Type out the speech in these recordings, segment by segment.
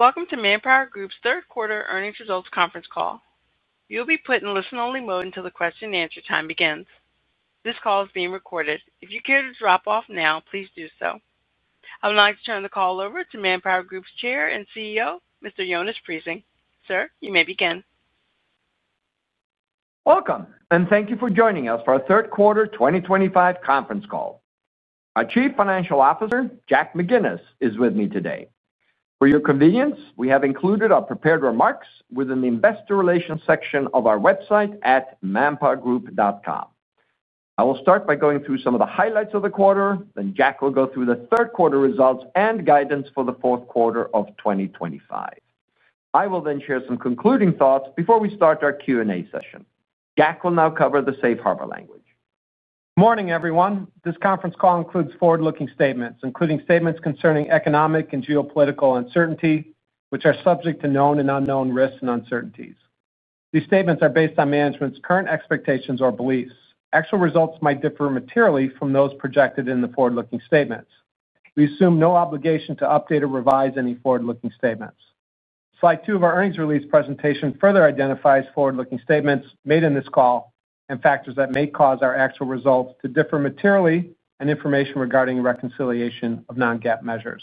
Welcome to ManpowerGroup's Third Quarter earnings results conference call. You'll be put in listen-only mode until the question and answer time begins. This call is being recorded. If you care to drop off now, please do so. I would now like to turn the call over to ManpowerGroup's Chair and CEO, Mr. Jonas Prising. Sir, you may begin. Welcome, and thank you for joining us for our third quarter 2025 conference call. Our Chief Financial Officer, Jack McGinnis, is with me today. For your convenience, we have included our prepared remarks within the Investor Relations section of our website at manpowergroup.com. I will start by going through some of the highlights of the quarter, then Jack will go through the third quarter results and guidance for the fourth quarter of 2025. I will then share some concluding thoughts before we start our Q&A session. Jack will now cover the safe harbor language. Morning, everyone. This conference call includes forward-looking statements, including statements concerning economic and geopolitical uncertainty, which are subject to known and unknown risks and uncertainties. These statements are based on management's current expectations or beliefs. Actual results might differ materially from those projected in the forward-looking statements. We assume no obligation to update or revise any forward-looking statements. Slide two of our earnings release presentation further identifies forward-looking statements made in this call and factors that may cause our actual results to differ materially, and information regarding reconciliation of non-GAAP measures.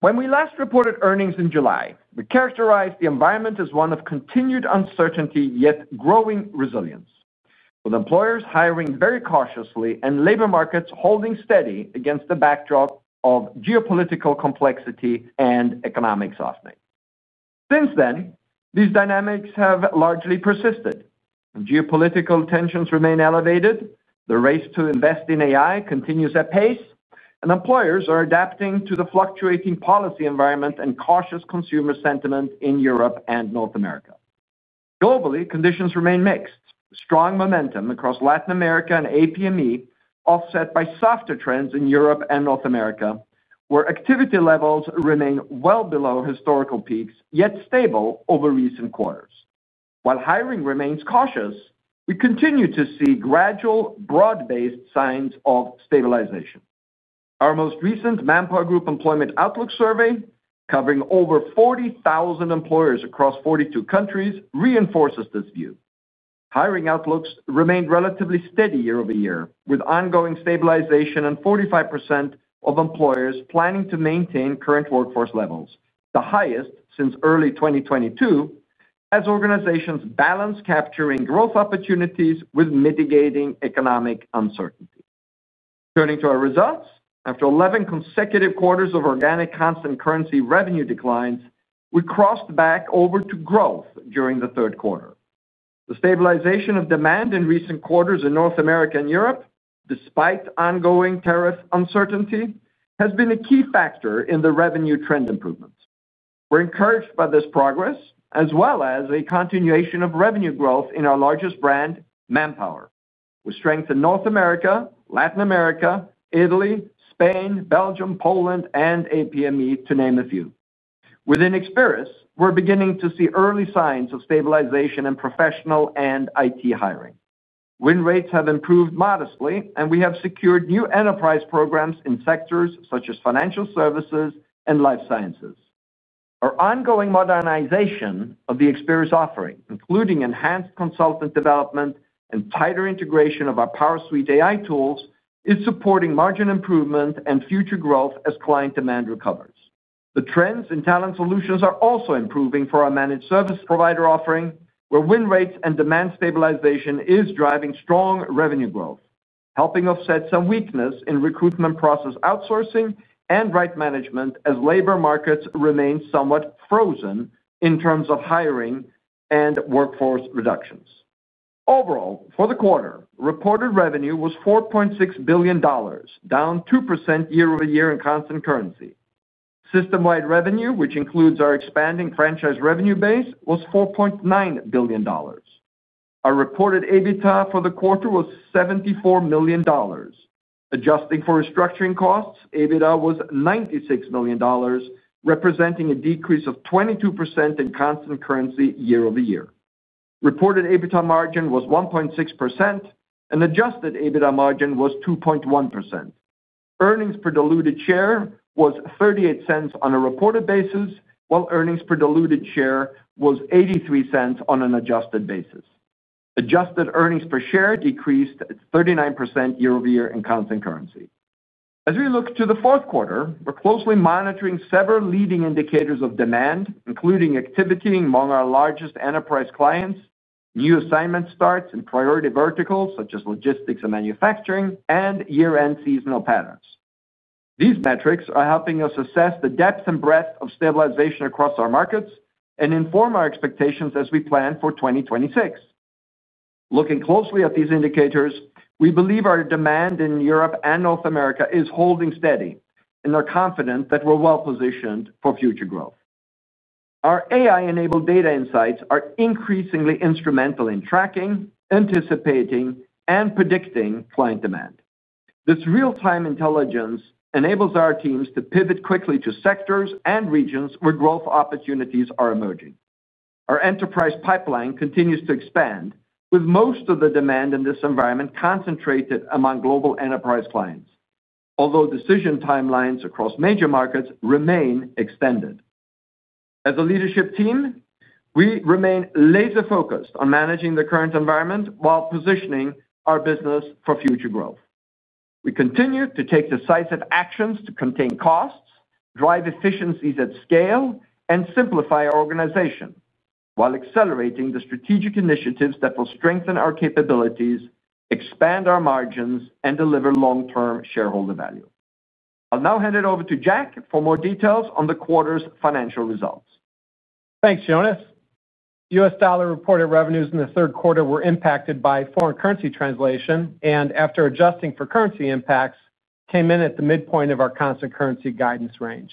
When we last reported earnings in July, we characterized the environment as one of continued uncertainty yet growing resilience, with employers hiring very cautiously and labor markets holding steady against the backdrop of geopolitical complexity and economic softening. Since then, these dynamics have largely persisted, and geopolitical tensions remain elevated. The race to invest in AI continues at pace, and employers are adapting to the fluctuating policy environment and cautious consumer sentiment in Europe and North America. Globally, conditions remain mixed, with strong momentum across Latin America and APME, offset by softer trends in Europe and North America, where activity levels remain well below historical peaks yet stable over recent quarters. While hiring remains cautious, we continue to see gradual, broad-based signs of stabilization. Our most recent ManpowerGroup Employment Outlook survey, covering over 40,000 employers across 42 countries, reinforces this view. Hiring outlooks remain relatively steady year over year, with ongoing stabilization and 45% of employers planning to maintain current workforce levels, the highest since early 2022, as organizations balance capturing growth opportunities with mitigating economic uncertainty. Turning to our results, after 11 consecutive quarters of organic constant currency revenue declines, we crossed back over to growth during the third quarter. The stabilization of demand in recent quarters in North America and Europe, despite ongoing tariff uncertainty, has been a key factor in the revenue trend improvements. We're encouraged by this progress, as well as a continuation of revenue growth in our largest brand, Manpower, with strength in North America, Latin America, Italy, Spain, Belgium, Poland, and APME, to name a few. Within Experis, we're beginning to see early signs of stabilization in professional and IT hiring. Win rates have improved modestly, and we have secured new enterprise programs in sectors such as financial services and life sciences. Our ongoing modernization of the Experis offering, including enhanced consultant development and tighter integration of our PowerSuite AI tools, is supporting margin improvement and future growth as client demand recovers. The trends in Talent Solutions are also improving for our managed service provider offering, where win rates and demand stabilization are driving strong revenue growth, helping offset some weakness in recruitment process outsourcing and Right Management as labor markets remain somewhat frozen in terms of hiring and workforce reductions. Overall, for the quarter, reported revenue was $4.6 billion, down 2% year-over-year in constant currency. System-wide revenue, which includes our expanding franchise revenue base, was $4.9 billion. Our reported EBITDA for the quarter was $74 million. Adjusting for restructuring costs, EBITDA was $96 million, representing a decrease of 22% in constant currency year-over-year. Reported EBITDA margin was 1.6%, and adjusted EBITDA margin was 2.1%. Earnings per diluted share was $0.38 on a reported basis, while earnings per diluted share was $0.83 on an adjusted basis. Adjusted earnings per share decreased at 39% year- over-year in constant currency. As we look to the fourth quarter, we're closely monitoring several leading indicators of demand, including activity among our largest enterprise clients, new assignment starts, and priority verticals such as logistics and manufacturing, and year-end seasonal patterns. These metrics are helping us assess the depth and breadth of stabilization across our markets and inform our expectations as we plan for 2026. Looking closely at these indicators, we believe our demand in Europe and North America is holding steady, and are confident that we're well-positioned for future growth. Our AI-enabled data insights are increasingly instrumental in tracking, anticipating, and predicting client demand. This real-time intelligence enables our teams to pivot quickly to sectors and regions where growth opportunities are emerging. Our enterprise pipeline continues to expand, with most of the demand in this environment concentrated among global enterprise clients, although decision timelines across major markets remain extended. As a leadership team, we remain laser-focused on managing the current environment while positioning our business for future growth. We continue to take decisive actions to contain costs, drive efficiencies at scale, and simplify our organization while accelerating the strategic initiatives that will strengthen our capabilities, expand our margins, and deliver long-term shareholder value. I'll now hand it over to Jack for more details on the quarter's financial results. Thanks, Jonas. U.S. dollar reported revenues in the third quarter were impacted by foreign currency translation, and after adjusting for currency impacts, came in at the midpoint of our constant currency guidance range.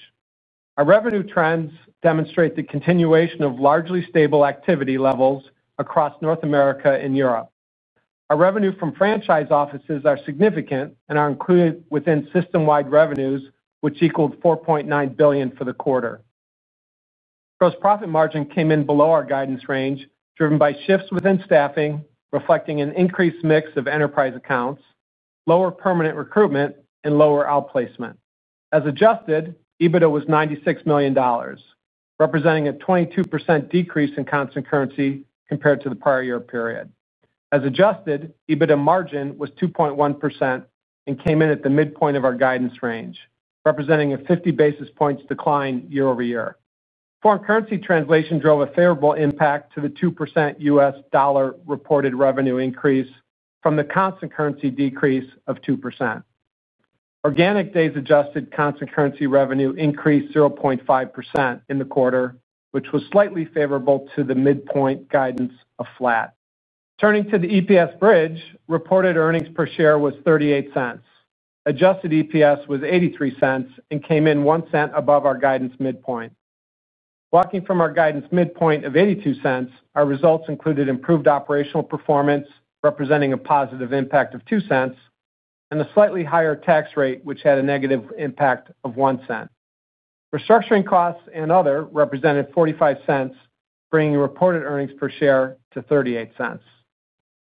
Our revenue trends demonstrate the continuation of largely stable activity levels across North America and Europe. Our revenue from franchise offices are significant and are included within system-wide revenues, which equaled $4.9 billion for the quarter. Gross profit margin came in below our guidance range, driven by shifts within staffing, reflecting an increased mix of enterprise accounts, lower permanent recruitment, and lower outplacement. As adjusted, EBITDA was $96 million, representing a 22% decrease in constant currency compared to the prior year period. As adjusted, EBITDA margin was 2.1% and came in at the midpoint of our guidance range, representing a 50 basis points decline year-over-year. Foreign currency translation drove a favorable impact to the 2% U.S. dollar reported revenue increase from the constant currency decrease of 2%. Organic days adjusted constant currency revenue increased 0.5% in the quarter, which was slightly favorable to the midpoint guidance of flat. Turning to the EPS bridge, reported earnings per share was $0.38. Adjusted EPS was $0.83 and came in $0.01 above our guidance midpoint. Walking from our guidance midpoint of $0.82, our results included improved operational performance, representing a positive impact of $0.02, and a slightly higher tax rate, which had a negative impact of $0.01. Restructuring costs and other represented $0.45, bringing reported earnings per share to $0.38.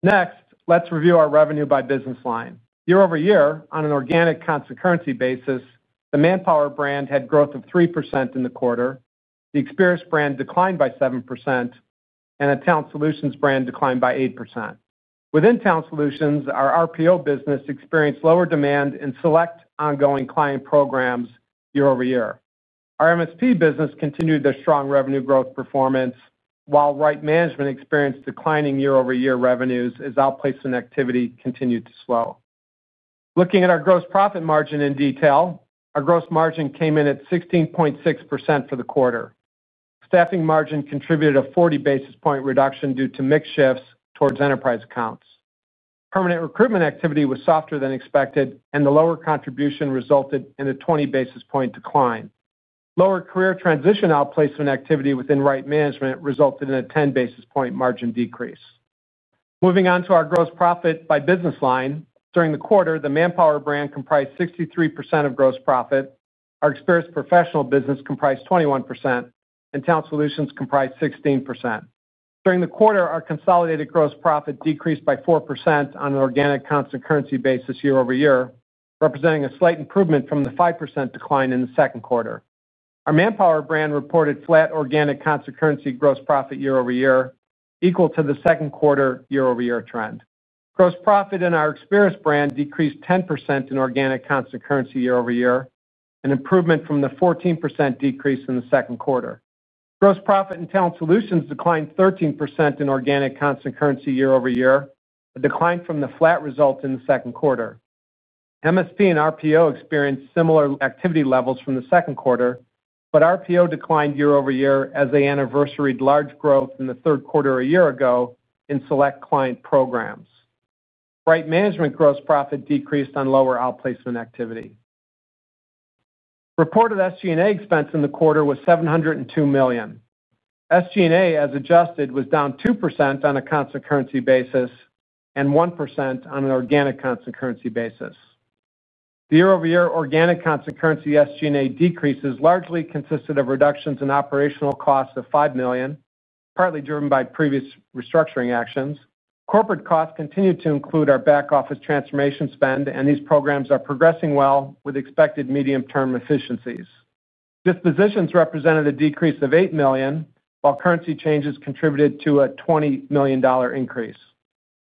Next, let's review our revenue by business line. Year-over-year, on an organic constant currency basis, the Manpower brand had growth of 3% in the quarter, the Experis brand declined by 7%, and the Talent Solutions brand declined by 8%. Within Talent Solutions, our RPO business experienced lower demand and select ongoing client programs year-over-year. Our MSP business continued their strong revenue growth performance, while Right Management experienced declining year over year revenues as outplacement activity continued to slow. Looking at our gross profit margin in detail, our gross margin came in at 16.6% for the quarter. Staffing margin contributed a 40 basis point reduction due to mix shifts towards enterprise accounts. Permanent recruitment activity was softer than expected, and the lower contribution resulted in a 20 basis point decline. Lower career transition outplacement activity within Right Management resulted in a 10 basis point margin decrease. Moving on to our gross profit by business line, during the quarter, the Manpower brand comprised 63% of gross profit, our Experis professional business comprised 21%, and Talent Solutions comprised 16%. During the quarter, our consolidated gross profit decreased by 4% on an organic constant currency basis year-over-year, representing a slight improvement from the 5% decline in the second quarter. Our Manpower brand reported flat organic constant currency gross profit year-over-year, equal to the second quarter year-over-year trend. Gross profit in our Experis brand decreased 10% in organic constant currency year-over-year, an improvement from the 14% decrease in the second quarter. Gross profit in Talent Solutions declined 13% in organic constant currency year over year, a decline from the flat result in the second quarter. MSP and RPO experienced similar activity levels from the second quarter, but RPO declined year- over-year as they anniversaried large growth in the third quarter a year ago in select client programs. Right Management gross profit decreased on lower outplacement activity. Reported SG&A expense in the quarter was $702 million. SG&A, as adjusted, was down 2% on a constant currency basis and 1% on an organic constant currency basis. The year-over-year organic constant currency SG&A decreases largely consisted of reductions in operational costs of $5 million, partly driven by previous restructuring actions. Corporate costs continue to include our back office transformation spend, and these programs are progressing well with expected medium-term efficiencies. Dispositions represented a decrease of $8 million, while currency changes contributed to a $20 million increase.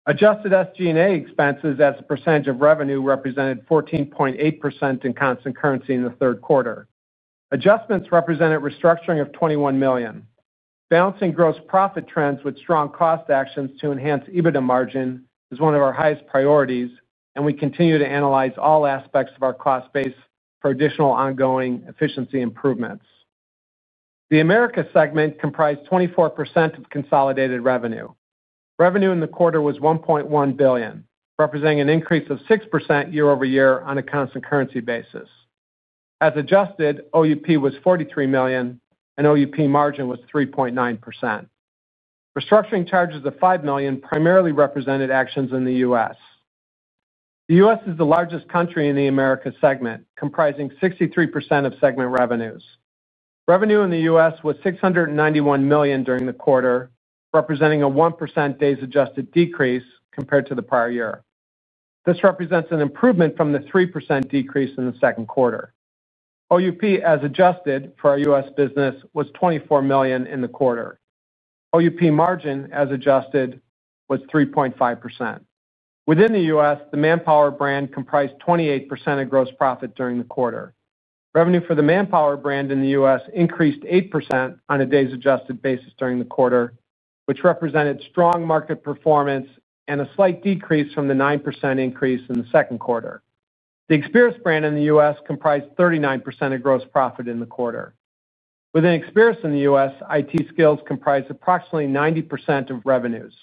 Adjusted SG&A expenses as a percentage of revenue represented 14.8% in constant currency in the third quarter. Adjustments represented restructuring of $21 million. Balancing gross profit trends with strong cost actions to enhance EBITDA margin is one of our highest priorities, and we continue to analyze all aspects of our cost base for additional ongoing efficiency improvements. The America segment comprised 24% of consolidated revenue. Revenue in the quarter was $1.1 billion, representing an increase of 6% year-over-year on a constant currency basis. As adjusted, OUP was $43 million, and OUP margin was 3.9%. Restructuring charges of $5 million primarily represented actions in the U.S. The U.S. is the largest country in the America segment, comprising 63% of segment revenues. Revenue in the U.S. was $691 million during the quarter, representing a 1% days adjusted decrease compared to the prior year. This represents an improvement from the 3% decrease in the second quarter. OUP, as adjusted, for our U.S. business was $24 million in the quarter. OUP margin, as adjusted, was 3.5%. Within the U.S., the Manpower brand comprised 28% of gross profit during the quarter. Revenue for the Manpower brand in the U.S. increased 8% on a days adjusted basis during the quarter, which represented strong market performance and a slight decrease from the 9% increase in the second quarter. The Experis brand in the U.S. comprised 39% of gross profit in the quarter. Within Experis in the U.S., IT skills comprised approximately 90% of revenues.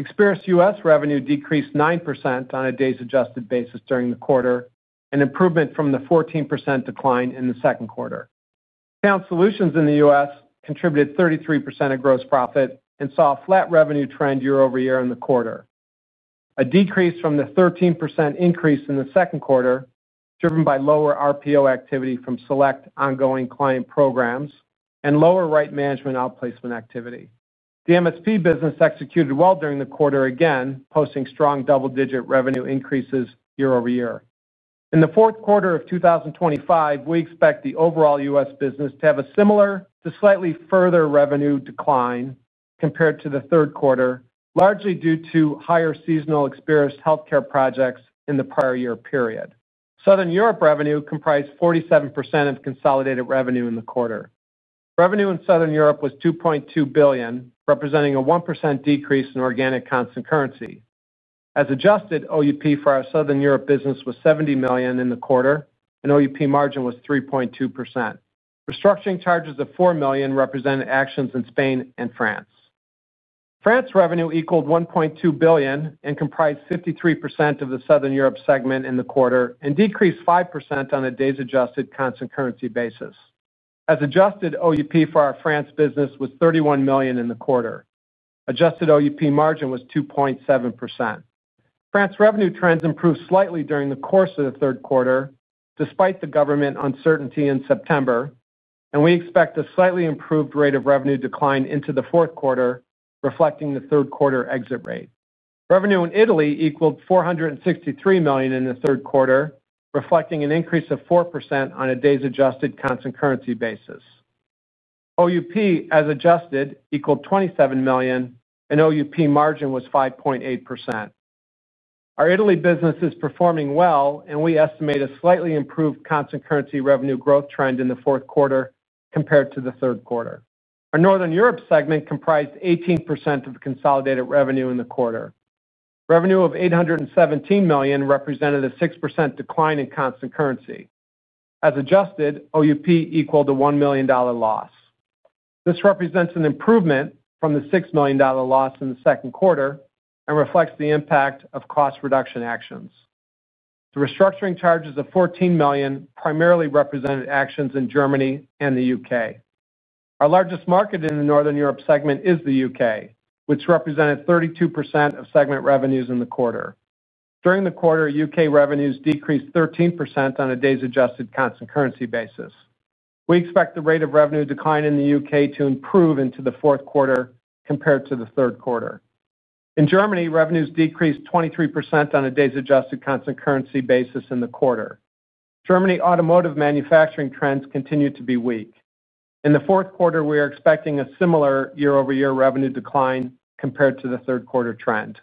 Experis U.S. revenue decreased 9% on a days adjusted basis during the quarter, an improvement from the 14% decline in the second quarter. Talent Solutions in the U.S. contributed 33% of gross profit and saw a flat revenue trend year-over-year in the quarter, a decrease from the 13% increase in the second quarter, driven by lower RPO activity from select ongoing client programs and lower Right Management outplacement activity. The MSP business executed well during the quarter again, posting strong double-digit revenue increases year-over- year. In the fourth quarter of 2025, we expect the overall U.S. business to have a similar to slightly further revenue decline compared to the third quarter, largely due to higher seasonal Experis healthcare projects in the prior year period. Southern Europe revenue comprised 47% of consolidated revenue in the quarter. Revenue in Southern Europe was $2.2 billion, representing a 1% decrease in organic constant currency. As adjusted, OUP for our Southern Europe business was $70 million in the quarter, and OUP margin was 3.2%. Restructuring charges of $4 million represented actions in Spain and France. France revenue equaled $1.2 billion and comprised 53% of the Southern Europe segment in the quarter and decreased 5% on a days adjusted constant currency basis. As adjusted, OUP for our France business was $31 million in the quarter. Adjusted OUP margin was 2.7%. France revenue trends improved slightly during the course of the third quarter, despite the government uncertainty in September, and we expect a slightly improved rate of revenue decline into the fourth quarter, reflecting the third quarter exit rate. Revenue in Italy equaled $463 million in the third quarter, reflecting an increase of 4% on a days adjusted constant currency basis. OUP, as adjusted, equaled $27 million, and OUP margin was 5.8%. Our Italy business is performing well, and we estimate a slightly improved constant currency revenue growth trend in the fourth quarter compared to the third quarter. Our Northern Europe segment comprised 18% of consolidated revenue in the quarter. Revenue of $817 million represented a 6% decline in constant currency. As adjusted, OUP equaled a $1 million loss. This represents an improvement from the $6 million loss in the second quarter and reflects the impact of cost reduction actions. The restructuring charges of $14 million primarily represented actions in Germany and the U.K.. Our largest market in the Northern Europe segment is the U.K., which represented 32% of segment revenues in the quarter. During the quarter, U.K. revenues decreased 13% on a days adjusted constant currency basis. We expect the rate of revenue decline in the U.K. to improve into the fourth quarter compared to the third quarter. In Germany, revenues decreased 23% on a days adjusted constant currency basis in the quarter. Germany automotive manufacturing trends continue to be weak. In the fourth quarter, we are expecting a similar year-over-year revenue decline compared to the third quarter trend.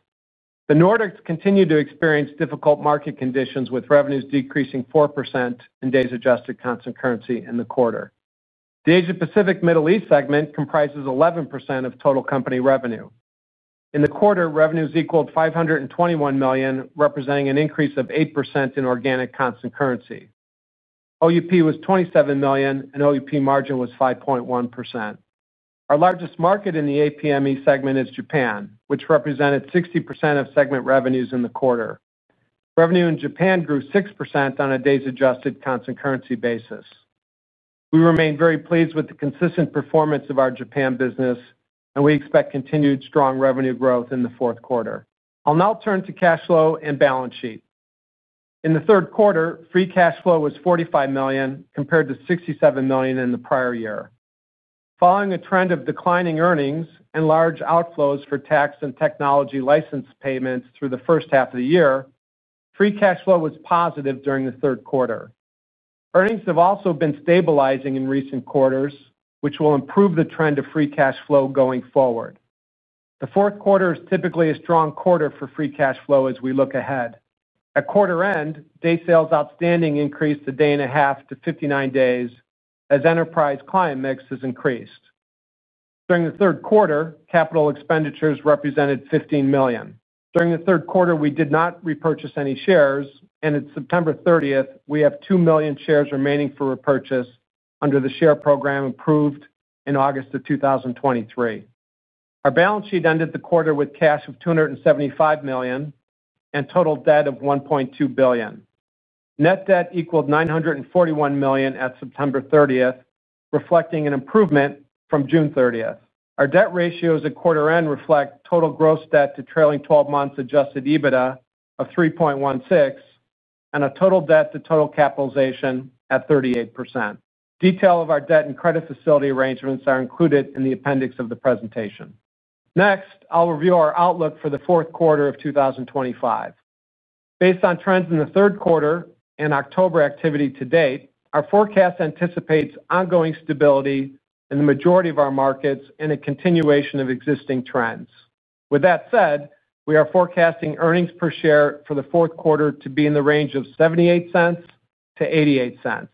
The Nordics continue to experience difficult market conditions, with revenues decreasing 4% in days adjusted constant currency in the quarter. The Asia-Pacific Middle East segment comprises 11% of total company revenue. In the quarter, revenues equaled $521 million, representing an increase of 8% in organic constant currency. OUP was $27 million, and OUP margin was 5.1%. Our largest market in the APME segment is Japan, which represented 60% of segment revenues in the quarter. Revenue in Japan grew 6% on a days adjusted constant currency basis. We remain very pleased with the consistent performance of our Japan business, and we expect continued strong revenue growth in the fourth quarter. I'll now turn to cash flow and balance sheet. In the third quarter, free cash flow was $45 million compared to $67 million in the prior year. Following a trend of declining earnings and large outflows for tax and technology license payments through the first half of the year, free cash flow was positive during the third quarter. Earnings have also been stabilizing in recent quarters, which will improve the trend of free cash flow going forward. The fourth quarter is typically a strong quarter for free cash flow as we look ahead. At quarter end, day sales outstanding increased a day and a half to 59 days as enterprise client mix has increased. During the third quarter, capital expenditures represented $15 million. During the third quarter, we did not repurchase any shares, and at September 30th, we have 2 million shares remaining for repurchase under the share program approved in August of 2023. Our balance sheet ended the quarter with cash of $275 million and total debt of $1.2 billion. Net debt equaled $941 million at September 30th, reflecting an improvement from June 30th. Our debt ratios at quarter end reflect total gross debt to trailing 12 months adjusted EBITDA of $3.16 and a total debt to total capitalization at 38%. Detail of our debt and credit facility arrangements are included in the appendix of the presentation. Next, I'll review our outlook for the fourth quarter of 2025. Based on trends in the third quarter and October activity to date, our forecast anticipates ongoing stability in the majority of our markets and a continuation of existing trends. With that said, we are forecasting earnings per share for the fourth quarter to be in the range of $0.78 - $0.88.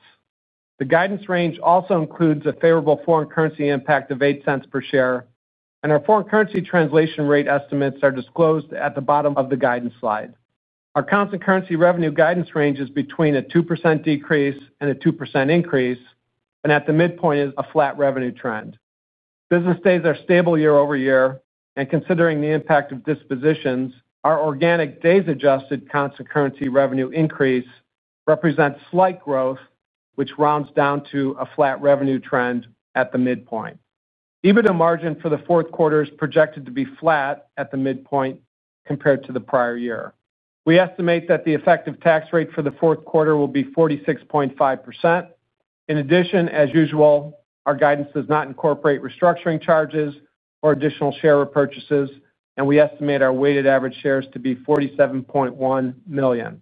The guidance range also includes a favorable foreign currency impact of $0.08 per share, and our foreign currency translation rate estimates are disclosed at the bottom of the guidance slide. Our constant currency revenue guidance range is between a 2% decrease and a 2% increase, and at the midpoint is a flat revenue trend. Business days are stable year-over-year, and considering the impact of dispositions, our organic days adjusted constant currency revenue increase represents slight growth, which rounds down to a flat revenue trend at the midpoint. EBITDA margin for the fourth quarter is projected to be flat at the midpoint compared to the prior year. We estimate that the effective tax rate for the fourth quarter will be 46.5%. In addition, as usual, our guidance does not incorporate restructuring charges or additional share repurchases, and we estimate our weighted average shares to be 47.1 million.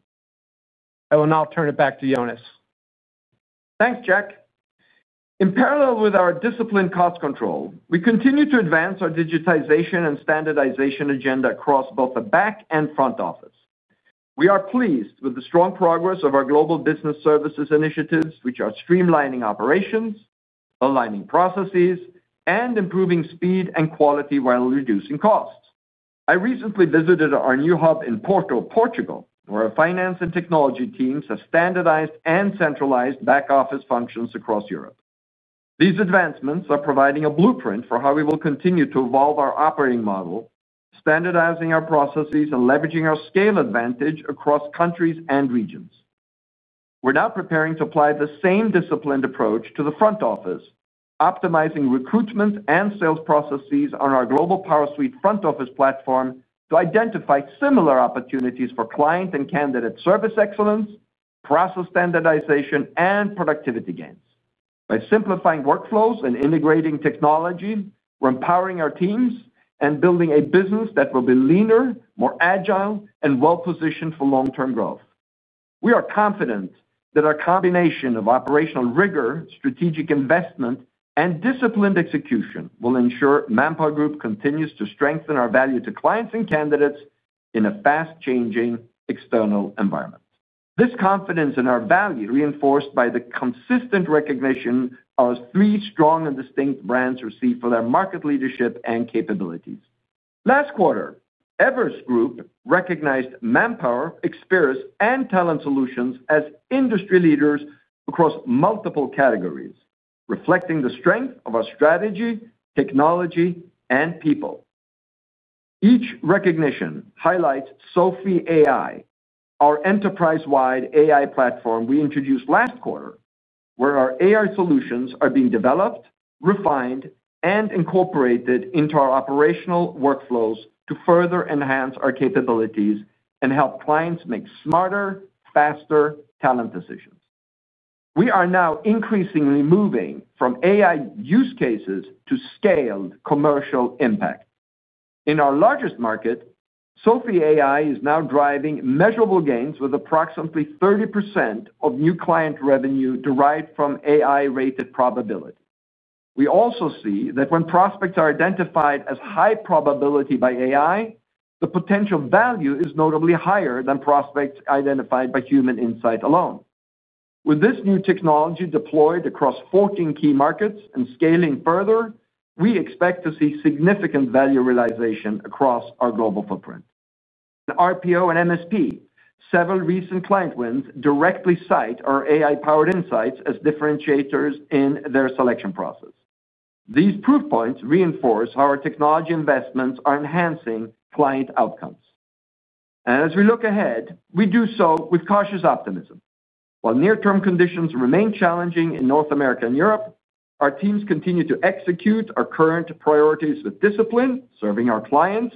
I will now turn it back to Jonas. Thanks, Jack. In parallel with our disciplined cost control, we continue to advance our digitization and standardization agenda across both the back and front office. We are pleased with the strong progress of our global business services initiatives, which are streamlining operations, aligning processes, and improving speed and quality while reducing costs. I recently visited our new hub in Porto, Portugal, where our finance and technology teams have standardized and centralized back office functions across Europe. These advancements are providing a blueprint for how we will continue to evolve our operating model, standardizing our processes, and leveraging our scale advantage across countries and regions. We're now preparing to apply the same disciplined approach to the front office, optimizing recruitment and sales processes on our global PowerSuite front office platform to identify similar opportunities for client and candidate service excellence, process standardization, and productivity gains. By simplifying workflows and integrating technology, we're empowering our teams and building a business that will be leaner, more agile, and well-positioned for long-term growth. We are confident that our combination of operational rigor, strategic investment, and disciplined execution will ensure ManpowerGroup continues to strengthen our value to clients and candidates in a fast-changing external environment. This confidence in our value is reinforced by the consistent recognition our three strong and distinct brands received for their market leadership and capabilities. Last quarter, Everest Group recognized Manpower, Experis, and Talent Solutions as industry leaders across multiple categories, reflecting the strength of our strategy, technology, and people. Each recognition highlights Sophie AI, our enterprise-wide AI platform we introduced last quarter, where our AI solutions are being developed, refined, and incorporated into our operational workflows to further enhance our capabilities and help clients make smarter, faster talent decisions. We are now increasingly moving from AI use cases to scaled commercial impact. In our largest market, Sophie AI is now driving measurable gains with approximately 30% of new client revenue derived from AI-rated probability. We also see that when prospects are identified as high probability by AI, the potential value is notably higher than prospects identified by human insight alone. With this new technology deployed across 14 key markets and scaling further, we expect to see significant value realization across our global footprint. In RPO and MSP, several recent client wins directly cite our AI-powered insights as differentiators in their selection process. These proof points reinforce how our technology investments are enhancing client outcomes. As we look ahead, we do so with cautious optimism. While near-term conditions remain challenging in North America and Europe, our teams continue to execute our current priorities with discipline, serving our clients,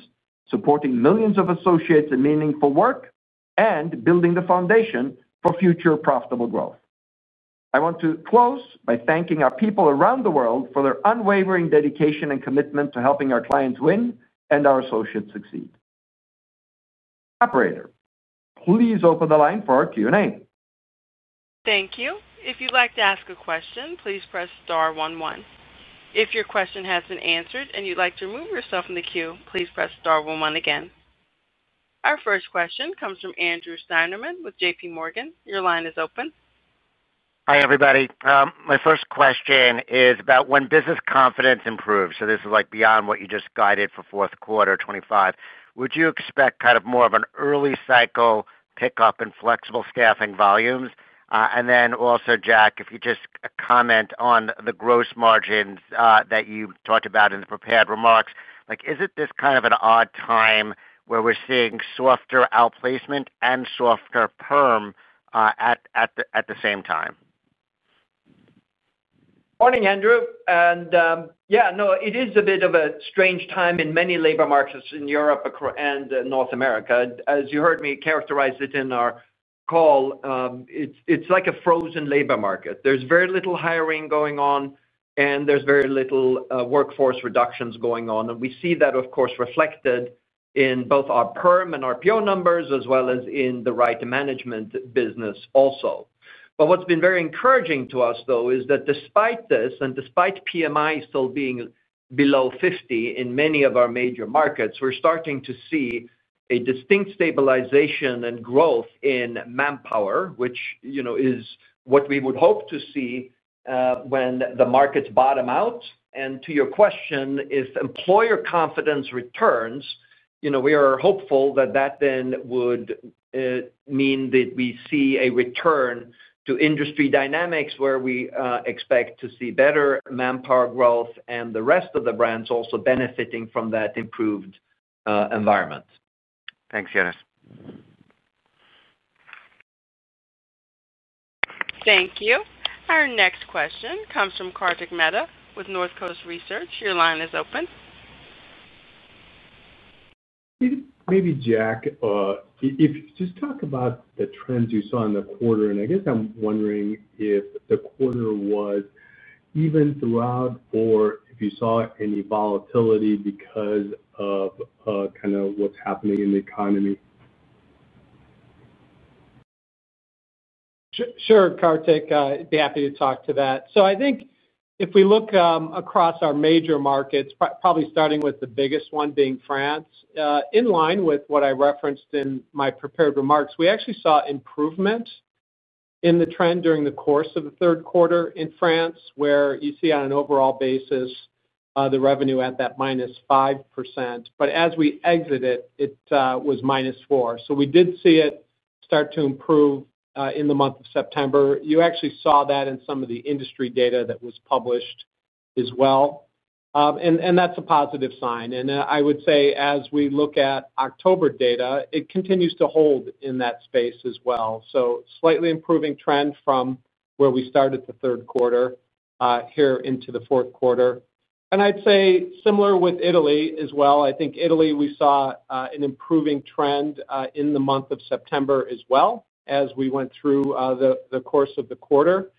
supporting millions of associates in meaningful work, and building the foundation for future profitable growth. I want to close by thanking our people around the world for their unwavering dedication and commitment to helping our clients win and our associates succeed. Operator, please open the line for our Q&A. Thank you. If you'd like to ask a question, please press star-one-one. If your question has been answered and you'd like to remove yourself from the queue, please press star-one-one again. Our first question comes from Andrew Steinerman with JPMorgan. Your line is open. Hi, everybody. My first question is about when business confidence improves. This is like beyond what you just guided for fourth quarter 2025. Would you expect kind of more of an early cycle pickup in flexible staffing volumes? Also, Jack, if you just comment on the gross margins that you talked about in the prepared remarks, is it this kind of an odd time where we're seeing softer outplacement and softer perm at the same time? Morning, Andrew. Yeah, no, it is a bit of a strange time in many labor markets in Europe and North America. As you heard me characterize it in our call, it's like a frozen labor market. There's very little hiring going on, and there's very little workforce reductions going on. We see that, of course, reflected in both our perm and RPO numbers, as well as in the Right Management business also. What's been very encouraging to us, though, is that despite this and despite PMI still being below 50 in many of our major markets, we're starting to see a distinct stabilization and growth in Manpower, which is what we would hope to see when the markets bottom out. To your question, if employer confidence returns, we are hopeful that that then would mean that we see a return to industry dynamics where we expect to see better Manpower growth and the rest of the brands also benefiting from that improved environment. Thanks, Jonas. Thank you. Our next question comes from Kartik Mehta with Northcoast Research. Your line is open. Maybe Jack, if you just talk about the trends you saw in the quarter, and I guess I'm wondering if the quarter was even throughout or if you saw any volatility because of kind of what's happening in the economy. Sure, Kartik, I'd be happy to talk to that. I think if we look across our major markets, probably starting with the biggest one being France, in line with what I referenced in my prepared remarks, we actually saw improvement in the trend during the course of the third quarter in France, where you see on an overall basis the revenue at that -5%. As we exited, it was -4%. We did see it start to improve in the month of September. You actually saw that in some of the industry data that was published as well. That's a positive sign. I would say as we look at October data, it continues to hold in that space as well. Slightly improving trend from where we started the third quarter here into the fourth quarter. I'd say similar with Italy as well. I think Italy, we saw an improving trend in the month of September as well as we went through the course of the quarter.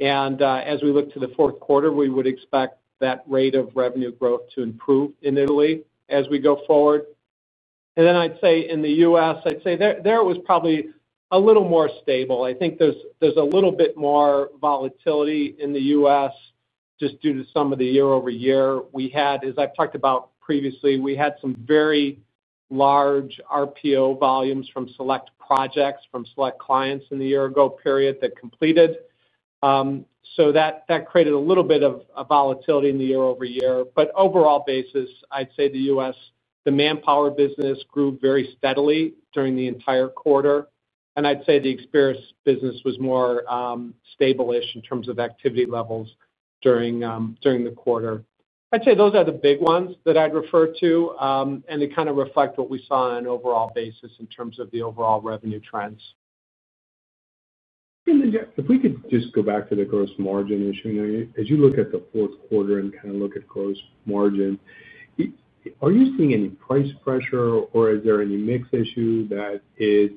As we look to the fourth quarter, we would expect that rate of revenue growth to improve in Italy as we go forward. In the U.S., I'd say there it was probably a little more stable. I think there's a little bit more volatility in the U.S. just due to some of the year-over-year we had. As I've talked about previously, we had some very large RPO volumes from select projects, from select clients in the year-ago period that completed. That created a little bit of volatility in the year-over-year. On an overall basis, I'd say the U.S., the Manpower business grew very steadily during the entire quarter. I'd say the Experis business was more stable-ish in terms of activity levels during the quarter. I'd say those are the big ones that I'd refer to, and they kind of reflect what we saw on an overall basis in terms of the overall revenue trends. Jack, if we could just go back to the gross margin issue. As you look at the fourth quarter and kind of look at gross margin, are you seeing any price pressure, or is there any mix issue that is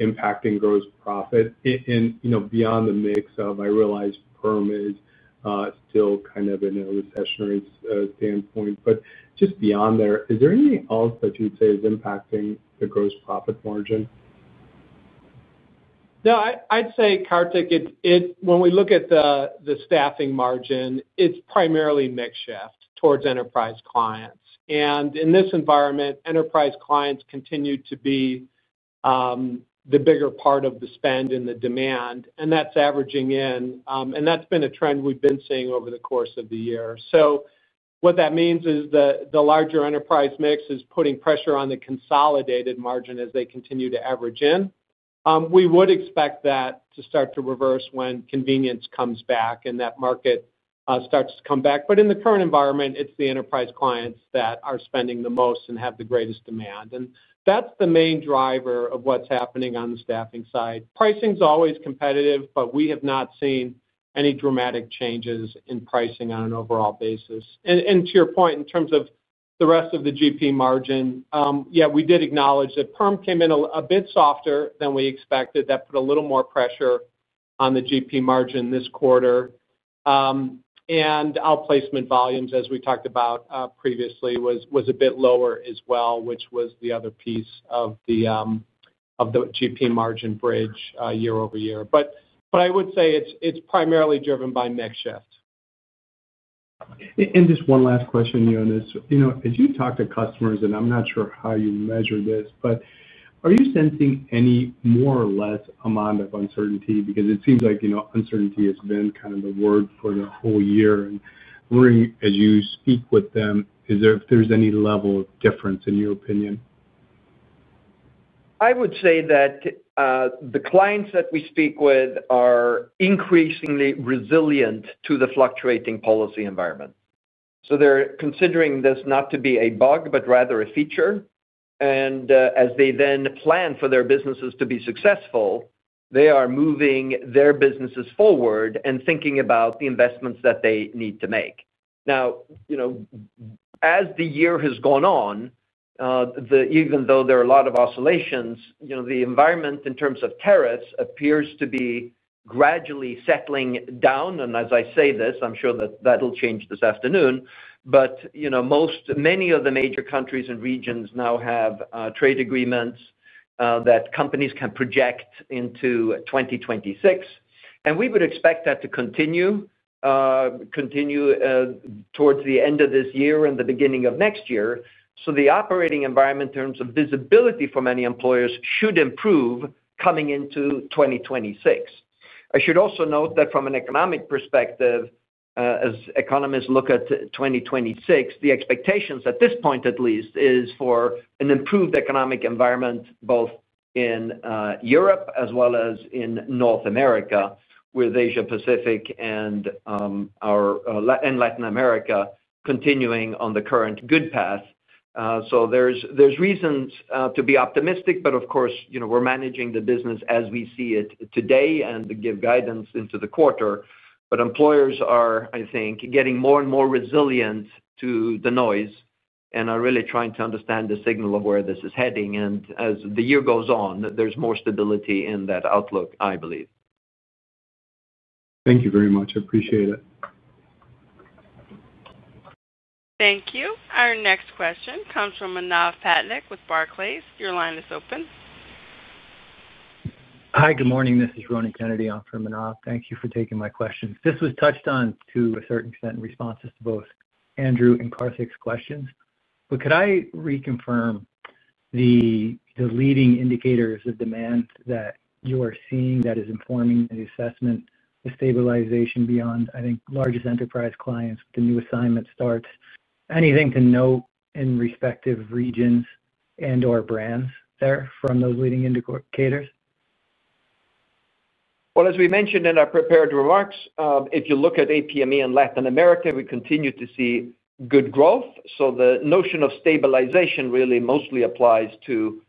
impacting gross profit? Beyond the mix of, I realize perm is still kind of in a recessionary standpoint, but just beyond there, is there anything else that you'd say is impacting the gross profit margin? No, I'd say, Kartik, when we look at the staffing margin, it's primarily mix shift towards enterprise clients. In this environment, enterprise clients continue to be the bigger part of the spend and the demand. That's averaging in, and that's been a trend we've been seeing over the course of the year. What that means is that the larger enterprise mix is putting pressure on the consolidated margin as they continue to average in. We would expect that to start to reverse when convenience comes back and that market starts to come back. In the current environment, it's the enterprise clients that are spending the most and have the greatest demand. That's the main driver of what's happening on the staffing side. Pricing is always competitive, but we have not seen any dramatic changes in pricing on an overall basis. To your point, in terms of the rest of the GP margin, yeah, we did acknowledge that perm came in a bit softer than we expected. That put a little more pressure on the GP margin this quarter. Outplacement volumes, as we talked about previously, was a bit lower as well, which was the other piece of the GP margin bridge year-over-year. I would say it's primarily driven by mix shift. Just one last question, Jonas. You know, as you talk to customers, and I'm not sure how you measure this, are you sensing any more or less amount of uncertainty? It seems like uncertainty has been kind of the word for the whole year. Wondering, as you speak with them, if there's any level of difference in your opinion? I would say that the clients that we speak with are increasingly resilient to the fluctuating policy environment. They're considering this not to be a bug, but rather a feature. As they then plan for their businesses to be successful, they are moving their businesses forward and thinking about the investments that they need to make. Now, as the year has gone on, even though there are a lot of oscillations, the environment in terms of tariffs appears to be gradually settling down. As I say this, I'm sure that that'll change this afternoon. Many of the major countries and regions now have trade agreements that companies can project into 2026. We would expect that to continue towards the end of this year and the beginning of next year. The operating environment in terms of visibility for many employers should improve coming into 2026. I should also note that from an economic perspective, as economists look at 2026, the expectations at this point at least are for an improved economic environment both in Europe as well as in North America with Asia-Pacific and Latin America continuing on the current good path. There are reasons to be optimistic, of course, we're managing the business as we see it today and give guidance into the quarter. Employers are, I think, getting more and more resilient to the noise and are really trying to understand the signal of where this is heading. As the year goes on, there's more stability in that outlook, I believe. Thank you very much. I appreciate it. Thank you. Our next question comes from Manav Patnaik with Barclays. Your line is open. Hi, good morning. This is Ronan Kennedy on from Manav. Thank you for taking my questions. This was touched on to a certain extent in responses to both Andrew and Kartik's questions. Could I reconfirm the leading indicators of demand that you are seeing that is informing the assessment, the stabilization beyond, I think, largest enterprise clients, the new assignment starts? Anything to note in respective regions and/or brands there from those leading indicators? As we mentioned in our prepared remarks, if you look at APME and Latin America, we continue to see good growth. The notion of stabilization really mostly applies to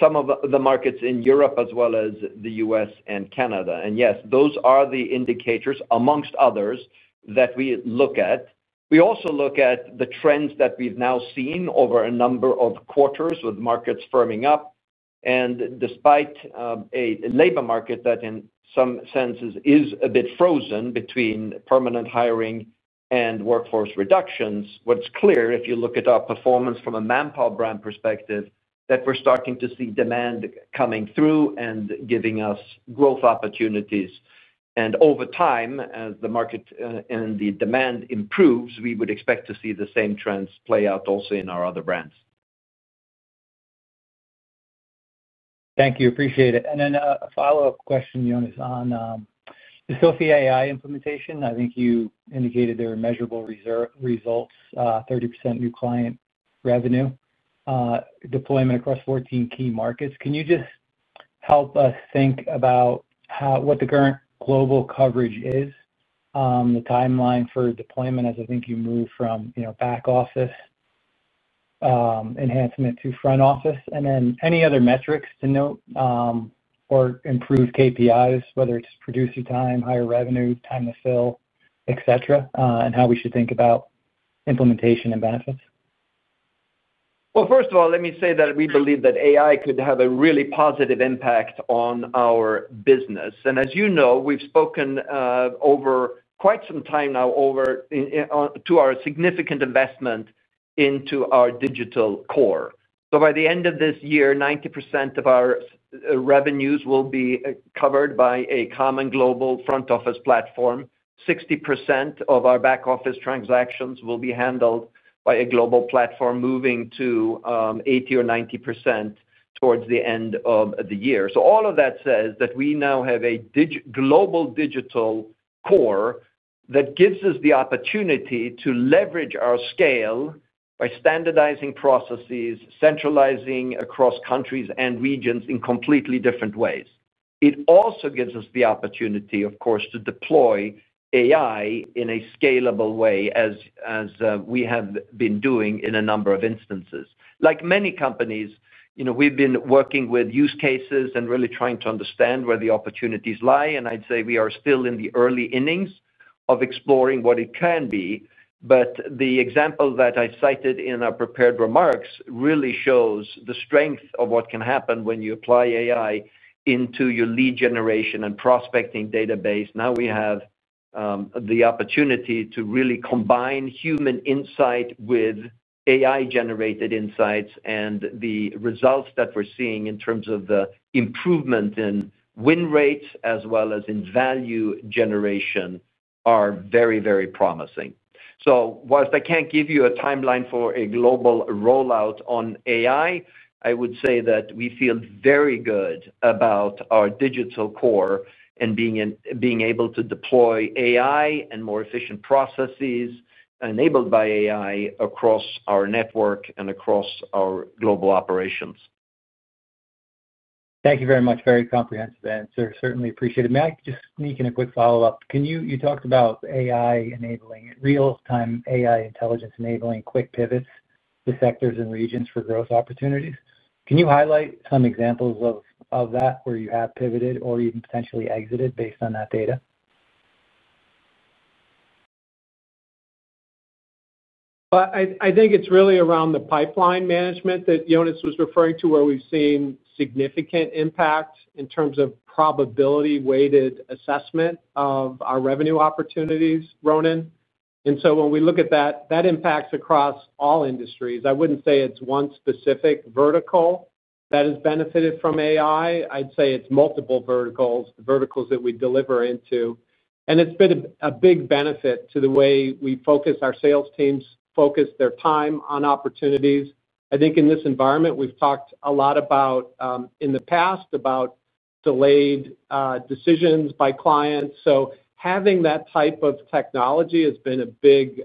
some of the markets in Europe as well as the U.S. and Canada. Yes, those are the indicators, among others, that we look at. We also look at the trends that we've now seen over a number of quarters with markets firming up. Despite a labor market that in some senses is a bit frozen between permanent hiring and workforce reductions, what's clear if you look at our performance from a Manpower brand perspective is that we're starting to see demand coming through and giving us growth opportunities. Over time, as the market and the demand improves, we would expect to see the same trends play out also in our other brands. Thank you. Appreciate it. A follow-up question, Jonas, on the Sophie AI implementation. I think you indicated there were measurable results, 30% new client revenue, deployment across 14 key markets. Can you just help us think about what the current global coverage is, the timeline for deployment as I think you move from back office enhancement to front office, and any other metrics to note or improved KPIs, whether it's producer time, higher revenue, time to fill, etc., and how we should think about implementation and benefits? First of all, let me say that we believe that AI could have a really positive impact on our business. As you know, we've spoken over quite some time now to our significant investment into our digital core. By the end of this year, 90% of our revenues will be covered by a common global front office platform. 60% of our back office transactions will be handled by a global platform, moving to 80% or 90% towards the end of the year. All of that says that we now have a global digital core that gives us the opportunity to leverage our scale by standardizing processes, centralizing across countries and regions in completely different ways. It also gives us the opportunity, of course, to deploy AI in a scalable way, as we have been doing in a number of instances. Like many companies, we've been working with use cases and really trying to understand where the opportunities lie. I'd say we are still in the early innings of exploring what it can be. The example that I cited in our prepared remarks really shows the strength of what can happen when you apply AI into your lead generation and prospecting database. Now we have the opportunity to really combine human insight with AI-generated insights, and the results that we're seeing in terms of the improvement in win rates, as well as in value generation, are very, very promising. Whilst I can't give you a timeline for a global rollout on AI, I would say that we feel very good about our digital core and being able to deploy AI and more efficient processes enabled by AI across our network and across our global operations. Thank you very much. Very comprehensive answer. Certainly appreciate it. May I just sneak in a quick follow-up? You talked about AI enabling real-time AI intelligence enabling quick pivots to sectors and regions for growth opportunities. Can you highlight some examples of that where you have pivoted or even potentially exited based on that data? I think it's really around the pipeline management that Jonas was referring to, where we've seen significant impact in terms of probability-weighted assessment of our revenue opportunities, Ronan. When we look at that, that impacts across all industries. I wouldn't say it's one specific vertical that has benefited from AI. I'd say it's multiple verticals, the verticals that we deliver into. It's been a big benefit to the way we focus our sales teams, focus their time on opportunities. I think in this environment, we've talked a lot in the past about delayed decisions by clients. Having that type of technology has been a big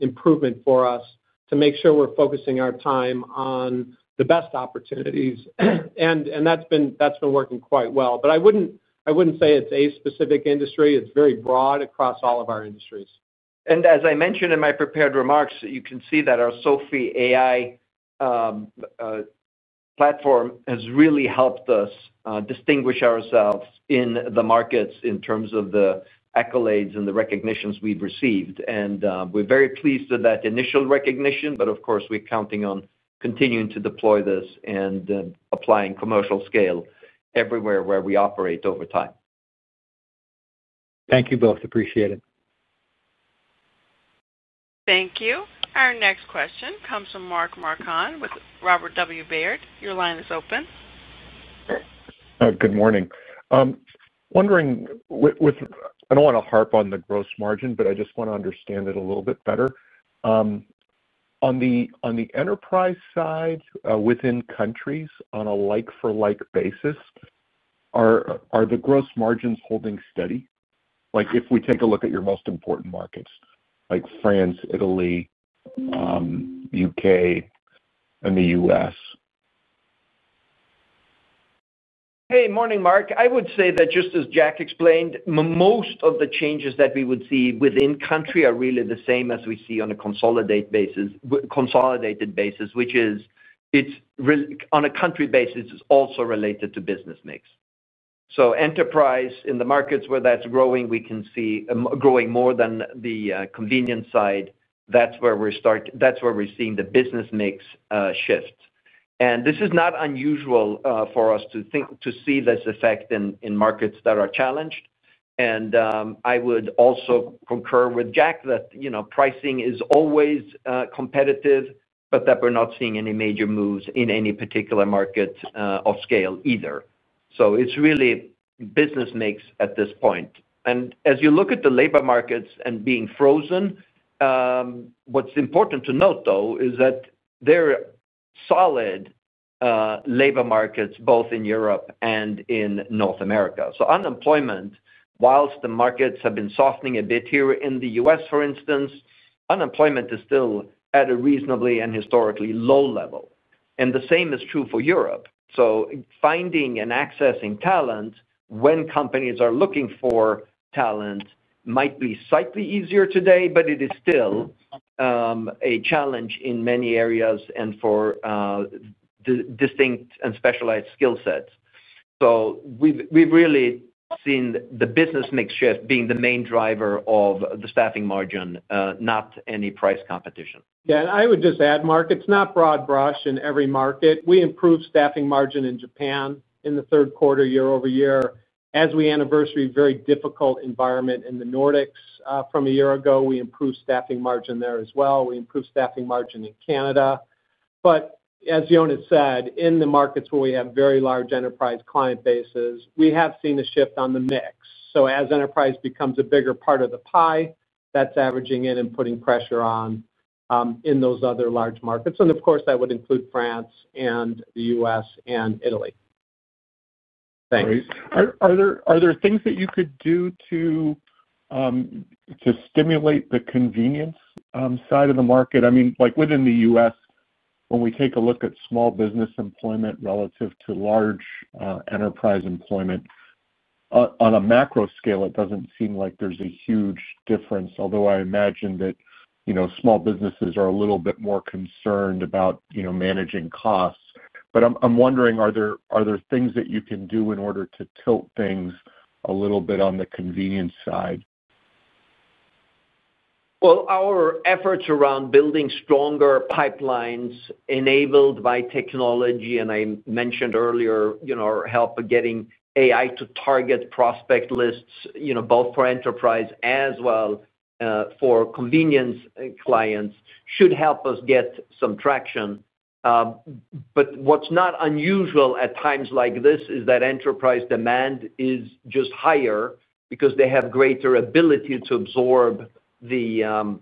improvement for us to make sure we're focusing our time on the best opportunities. That's been working quite well. I wouldn't say it's a specific industry. It's very broad across all of our industries. As I mentioned in my prepared remarks, you can see that our Sophie AI platform has really helped us distinguish ourselves in the markets in terms of the accolades and the recognitions we've received. We're very pleased with that initial recognition. Of course, we're counting on continuing to deploy this and applying commercial scale everywhere where we operate over time. Thank you both. Appreciate it. Thank you. Our next question comes from Mark Marcon with Baird. Your line is open. Good morning. I'm wondering, I don't want to harp on the gross margin, but I just want to understand it a little bit better. On the enterprise side within countries, on a like-for-like basis, are the gross margins holding steady? If we take a look at your most important markets, like France, Italy, U.K., and the U.S. Hey, morning, Mark. I would say that just as Jack explained, most of the changes that we would see within country are really the same as we see on a consolidated basis, which is it's really on a country basis, it's also related to business mix. So enterprise in the markets where that's growing, we can see growing more than the convenience side. That's where we're starting. That's where we're seeing the business mix shift. This is not unusual for us to see this effect in markets that are challenged. I would also concur with Jack that pricing is always competitive, but that we're not seeing any major moves in any particular market of scale either. It's really business mix at this point. As you look at the labor markets and being frozen, what's important to note, though, is that there are solid labor markets both in Europe and in North America. Unemployment, whilst the markets have been softening a bit here in the U.S., for instance, unemployment is still at a reasonably and historically low level. The same is true for Europe. Finding and accessing talent when companies are looking for talent might be slightly easier today, but it is still a challenge in many areas and for distinct and specialized skill sets. We've really seen the business mix shift being the main driver of the staffing margin, not any price competition. Yeah, and I would just add, Mark, it's not broad brush in every market. We improved staffing margin in Japan in the third quarter year-over-year as we anniversary a very difficult environment in the Nordics from a year ago. We improved staffing margin there as well. We improved staffing margin in Canada. As Jonas said, in the markets where we have very large enterprise client bases, we have seen a shift on the mix. As enterprise becomes a bigger part of the pie, that's averaging in and putting pressure on in those other large markets. Of course, that would include France, the U.S., and Italy. Thanks. Are there things that you could do to stimulate the convenience side of the market? I mean, like within the U.S., when we take a look at small business employment relative to large enterprise employment, on a macro scale, it doesn't seem like there's a huge difference, although I imagine that small businesses are a little bit more concerned about managing costs. I'm wondering, are there things that you can do in order to tilt things a little bit on the convenience side? Our efforts around building stronger pipelines enabled by technology, and I mentioned earlier, our help of getting AI to target prospect lists, both for enterprise as well for convenience clients, should help us get some traction. What's not unusual at times like this is that enterprise demand is just higher because they have greater ability to absorb the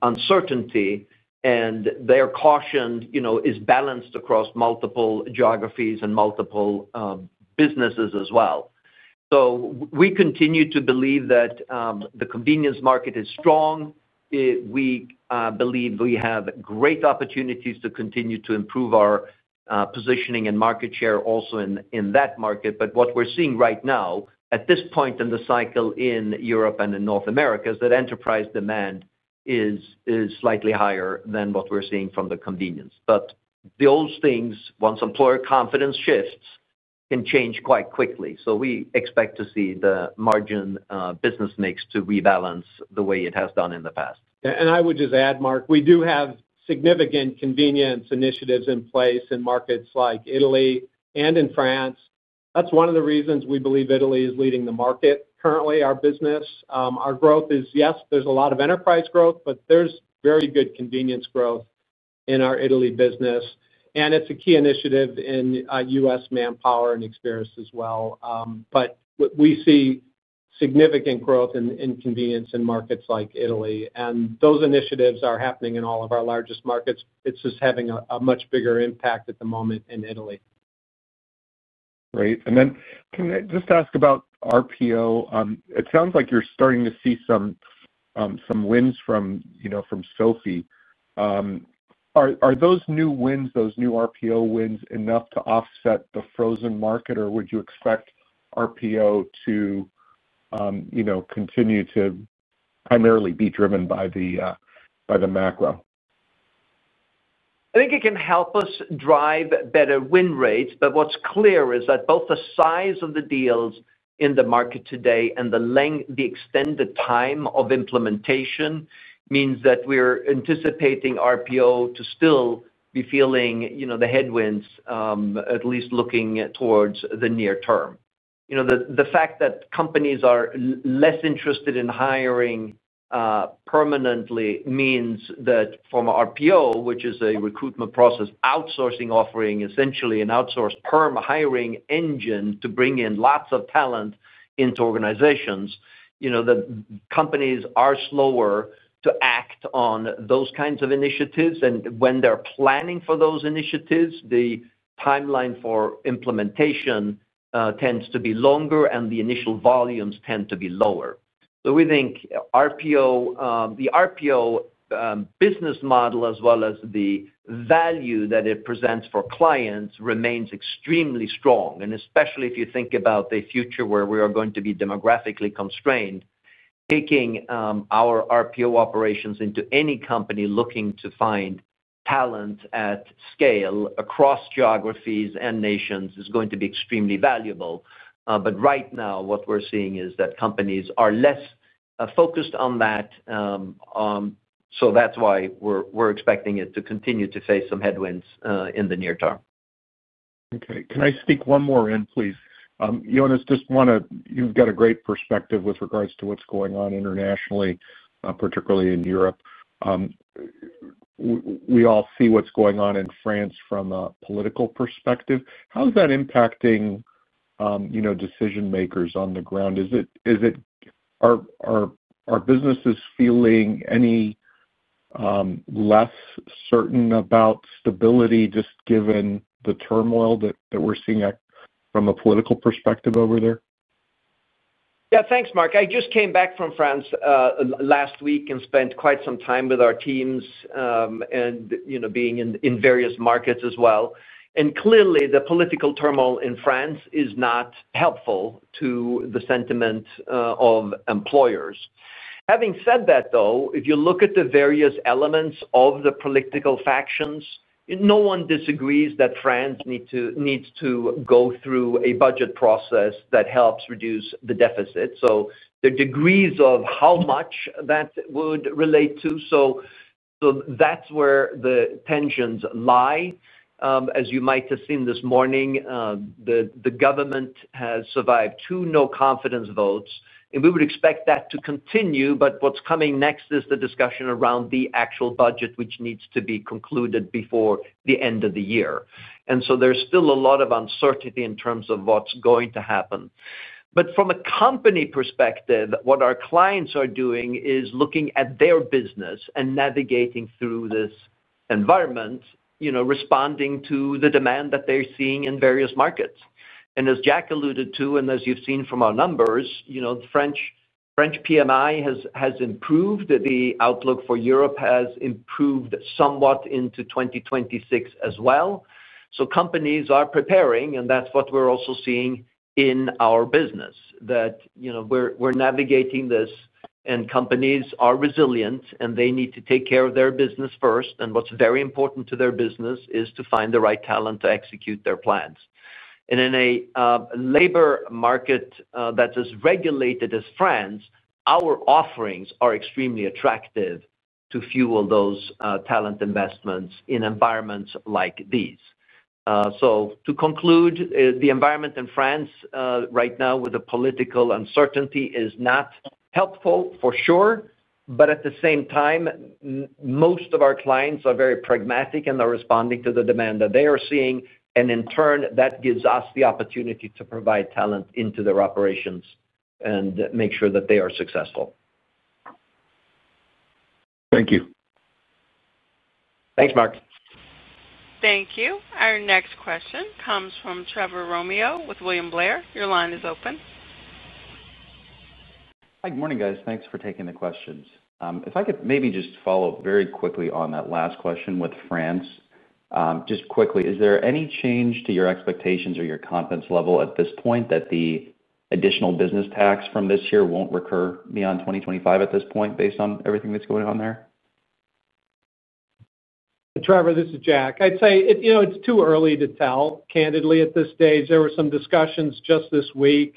uncertainty, and their caution is balanced across multiple geographies and multiple businesses as well. We continue to believe that the convenience market is strong. We believe we have great opportunities to continue to improve our positioning and market share also in that market. What we're seeing right now at this point in the cycle in Europe and in North America is that enterprise demand is slightly higher than what we're seeing from the convenience. Those things, once employer confidence shifts, can change quite quickly. We expect to see the margin business mix to rebalance the way it has done in the past. I would just add, Mark, we do have significant convenience initiatives in place in markets like Italy and in France. That's one of the reasons we believe Italy is leading the market currently, our business. Our growth is, yes, there's a lot of enterprise growth, but there's very good convenience growth in our Italy business. It's a key initiative in U.S. Manpower and Experis as well. We see significant growth in convenience in markets like Italy, and those initiatives are happening in all of our largest markets. It's just having a much bigger impact at the moment in Italy. Great. Can I just ask about RPO? It sounds like you're starting to see some wins from Sophy AI. Are those new wins, those new RPO wins, enough to offset the frozen market, or would you expect RPO to continue to primarily be driven by the macro? I think it can help us drive better win rates, but what's clear is that both the size of the deals in the market today and the extended time of implementation means that we're anticipating RPO to still be feeling the headwinds, at least looking towards the near term. The fact that companies are less interested in hiring permanently means that from RPO, which is a recruitment process outsourcing offering, essentially an outsourced perm hiring engine to bring in lots of talent into organizations, companies are slower to act on those kinds of initiatives. When they're planning for those initiatives, the timeline for implementation tends to be longer, and the initial volumes tend to be lower. We think the RPO business model, as well as the value that it presents for clients, remains extremely strong. Especially if you think about the future where we are going to be demographically constrained, taking our RPO operations into any company looking to find talent at scale across geographies and nations is going to be extremely valuable. Right now, what we're seeing is that companies are less focused on that. That's why we're expecting it to continue to face some headwinds in the near term. Okay. Can I speak one more end, please? Jonas, just want to, you've got a great perspective with regards to what's going on internationally, particularly in Europe. We all see what's going on in France from a political perspective. How is that impacting decision makers on the ground? Is it, are businesses feeling any less certain about stability, just given the turmoil that we're seeing from a political perspective over there? Yeah, thanks, Mark. I just came back from France last week and spent quite some time with our teams and being in various markets as well. Clearly, the political turmoil in France is not helpful to the sentiment of employers. Having said that, though, if you look at the various elements of the political factions, no one disagrees that France needs to go through a budget process that helps reduce the deficit. There are degrees of how much that would relate to. That's where the tensions lie. As you might have seen this morning, the government has survived two no confidence votes. We would expect that to continue, but what's coming next is the discussion around the actual budget, which needs to be concluded before the end of the year. There's still a lot of uncertainty in terms of what's going to happen. From a company perspective, what our clients are doing is looking at their business and navigating through this environment, responding to the demand that they're seeing in various markets. As Jack alluded to, and as you've seen from our numbers, the French PMI has improved. The outlook for Europe has improved somewhat into 2026 as well. Companies are preparing, and that's what we're also seeing in our business, that we're navigating this and companies are resilient and they need to take care of their business first. What's very important to their business is to find the right talent to execute their plans. In a labor market that's as regulated as France, our offerings are extremely attractive to fuel those talent investments in environments like these. To conclude, the environment in France right now with the political uncertainty is not helpful for sure, but at the same time, most of our clients are very pragmatic and are responding to the demand that they are seeing. In turn, that gives us the opportunity to provide talent into their operations and make sure that they are successful. Thank you. Thanks, Mark. Thank you. Our next question comes from Trevor Romeo with William Blair. Your line is open. Hi, good morning, guys. Thanks for taking the questions. If I could maybe just follow very quickly on that last question with France, is there any change to your expectations or your confidence level at this point that the additional business tax from this year won't recur beyond 2025 at this point based on everything that's going on there? Trevor, this is Jack. I'd say it's too early to tell, candidly, at this stage. There were some discussions just this week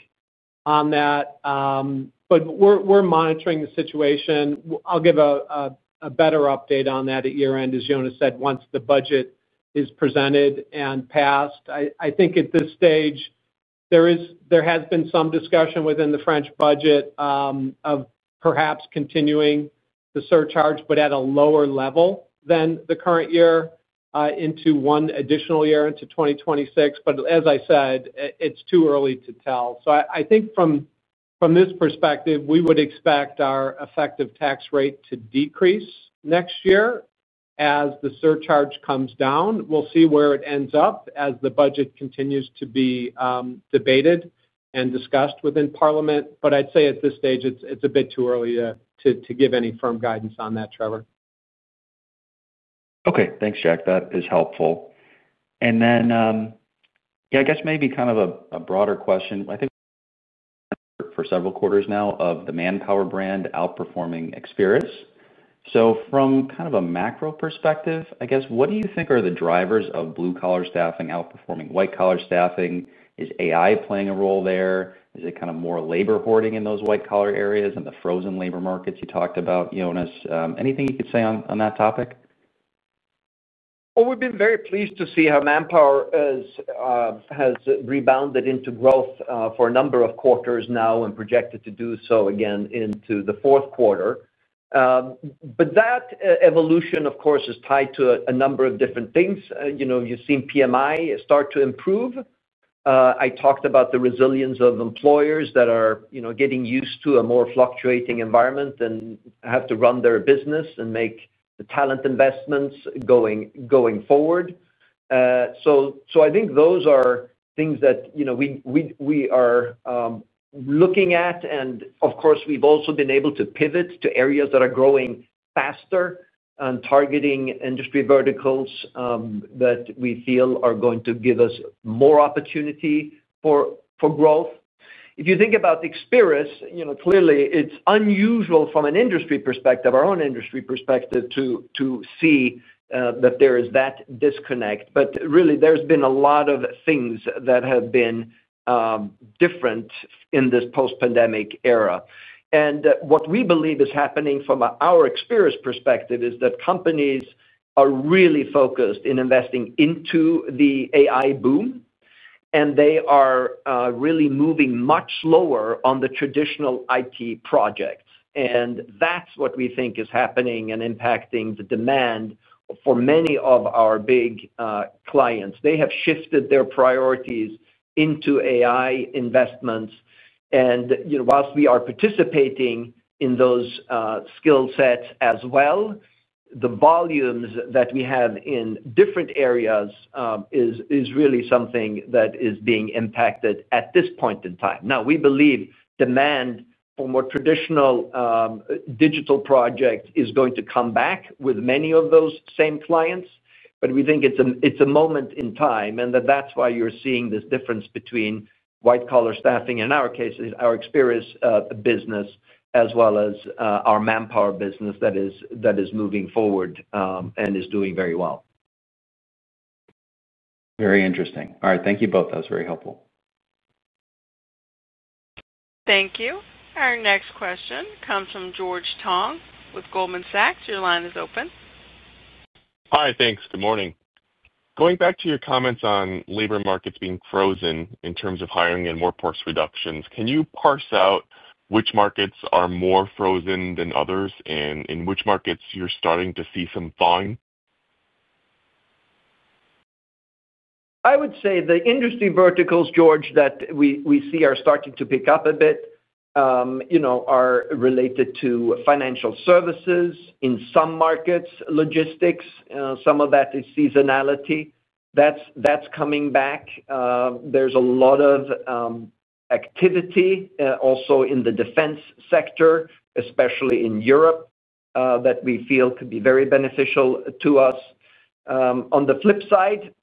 on that, but we're monitoring the situation. I'll give a better update on that at year end, as Jonas said, once the budget is presented and passed. I think at this stage, there has been some discussion within the French budget of perhaps continuing the surcharge, but at a lower level than the current year into one additional year into 2026. As I said, it's too early to tell. From this perspective, we would expect our effective tax rate to decrease next year as the surcharge comes down. We'll see where it ends up as the budget continues to be debated and discussed within Parliament. I'd say at this stage, it's a bit too early to give any firm guidance on that, Trevor. Okay, thanks, Jack. That is helpful. I guess maybe kind of a broader question. I think for several quarters now of the Manpower brand outperforming Experis. From kind of a macro perspective, what do you think are the drivers of blue-collar staffing outperforming white-collar staffing? Is AI playing a role there? Is it kind of more labor hoarding in those white-collar areas and the frozen labor markets you talked about, Jonas? Anything you could say on that topic? We have been very pleased to see how Manpower has rebounded into growth for a number of quarters now and projected to do so again into the fourth quarter. That evolution, of course, is tied to a number of different things. You know, you've seen PMI start to improve. I talked about the resilience of employers that are getting used to a more fluctuating environment and have to run their business and make the talent investments going forward. I think those are things that we are looking at. Of course, we've also been able to pivot to areas that are growing faster and targeting industry verticals that we feel are going to give us more opportunity for growth. If you think about Experis, clearly, it's unusual from an industry perspective, our own industry perspective, to see that there is that disconnect. There have been a lot of things that have been different in this post-pandemic era. What we believe is happening from our Experis perspective is that companies are really focused in investing into the AI boom, and they are really moving much slower on the traditional IT projects. That's what we think is happening and impacting the demand for many of our big clients. They have shifted their priorities into AI investments. Whilst we are participating in those skill sets as well, the volumes that we have in different areas is really something that is being impacted at this point in time. We believe demand for more traditional digital projects is going to come back with many of those same clients, but we think it's a moment in time and that that's why you're seeing this difference between white-collar staffing and in our case, our Experis business, as well as our Manpower business that is moving forward and is doing very well. Very interesting. All right, thank you both. That was very helpful. Thank you. Our next question comes from George Tong with Goldman Sachs. Your line is open. Hi, thanks. Good morning. Going back to your comments on labor markets being frozen in terms of hiring and workforce reductions, can you parse out which markets are more frozen than others, and in which markets you're starting to see some thawing? I would say the industry verticals, George, that we see are starting to pick up a bit, you know, are related to financial services. In some markets, logistics, some of that is seasonality. That's coming back. There's a lot of activity also in the defense sector, especially in Europe, that we feel could be very beneficial to us. On the flip side,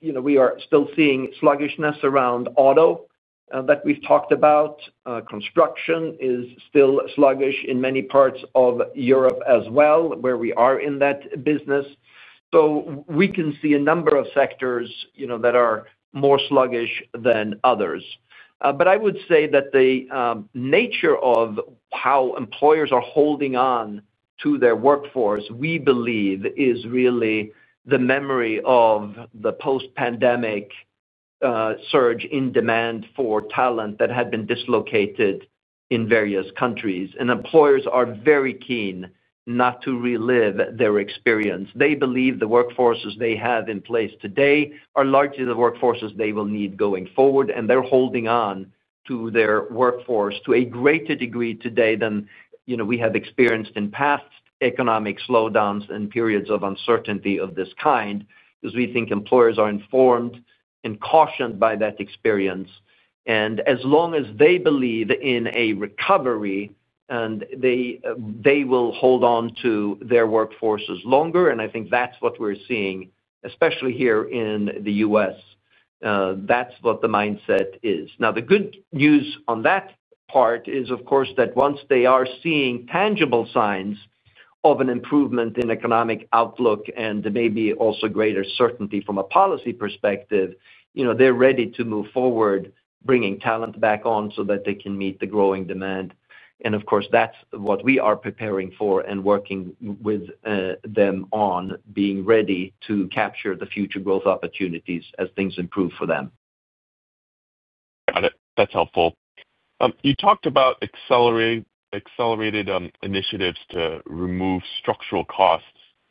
you know, we are still seeing sluggishness around auto that we've talked about. Construction is still sluggish in many parts of Europe as well, where we are in that business. We can see a number of sectors, you know, that are more sluggish than others. I would say that the nature of how employers are holding on to their workforce, we believe, is really the memory of the post-pandemic surge in demand for talent that had been dislocated in various countries. Employers are very keen not to relive their experience. They believe the workforces they have in place today are largely the workforces they will need going forward, and they're holding on to their workforce to a greater degree today than we have experienced in past economic slowdowns and periods of uncertainty of this kind, because we think employers are informed and cautioned by that experience. As long as they believe in a recovery, they will hold on to their workforces longer. I think that's what we're seeing, especially here in the U.S. That's what the mindset is. The good news on that part is, of course, that once they are seeing tangible signs of an improvement in economic outlook and maybe also greater certainty from a policy perspective, you know, they're ready to move forward, bringing talent back on so that they can meet the growing demand. Of course, that's what we are preparing for and working with them on, being ready to capture the future growth opportunities as things improve for them. Got it. That's helpful. You talked about accelerated initiatives to remove structural costs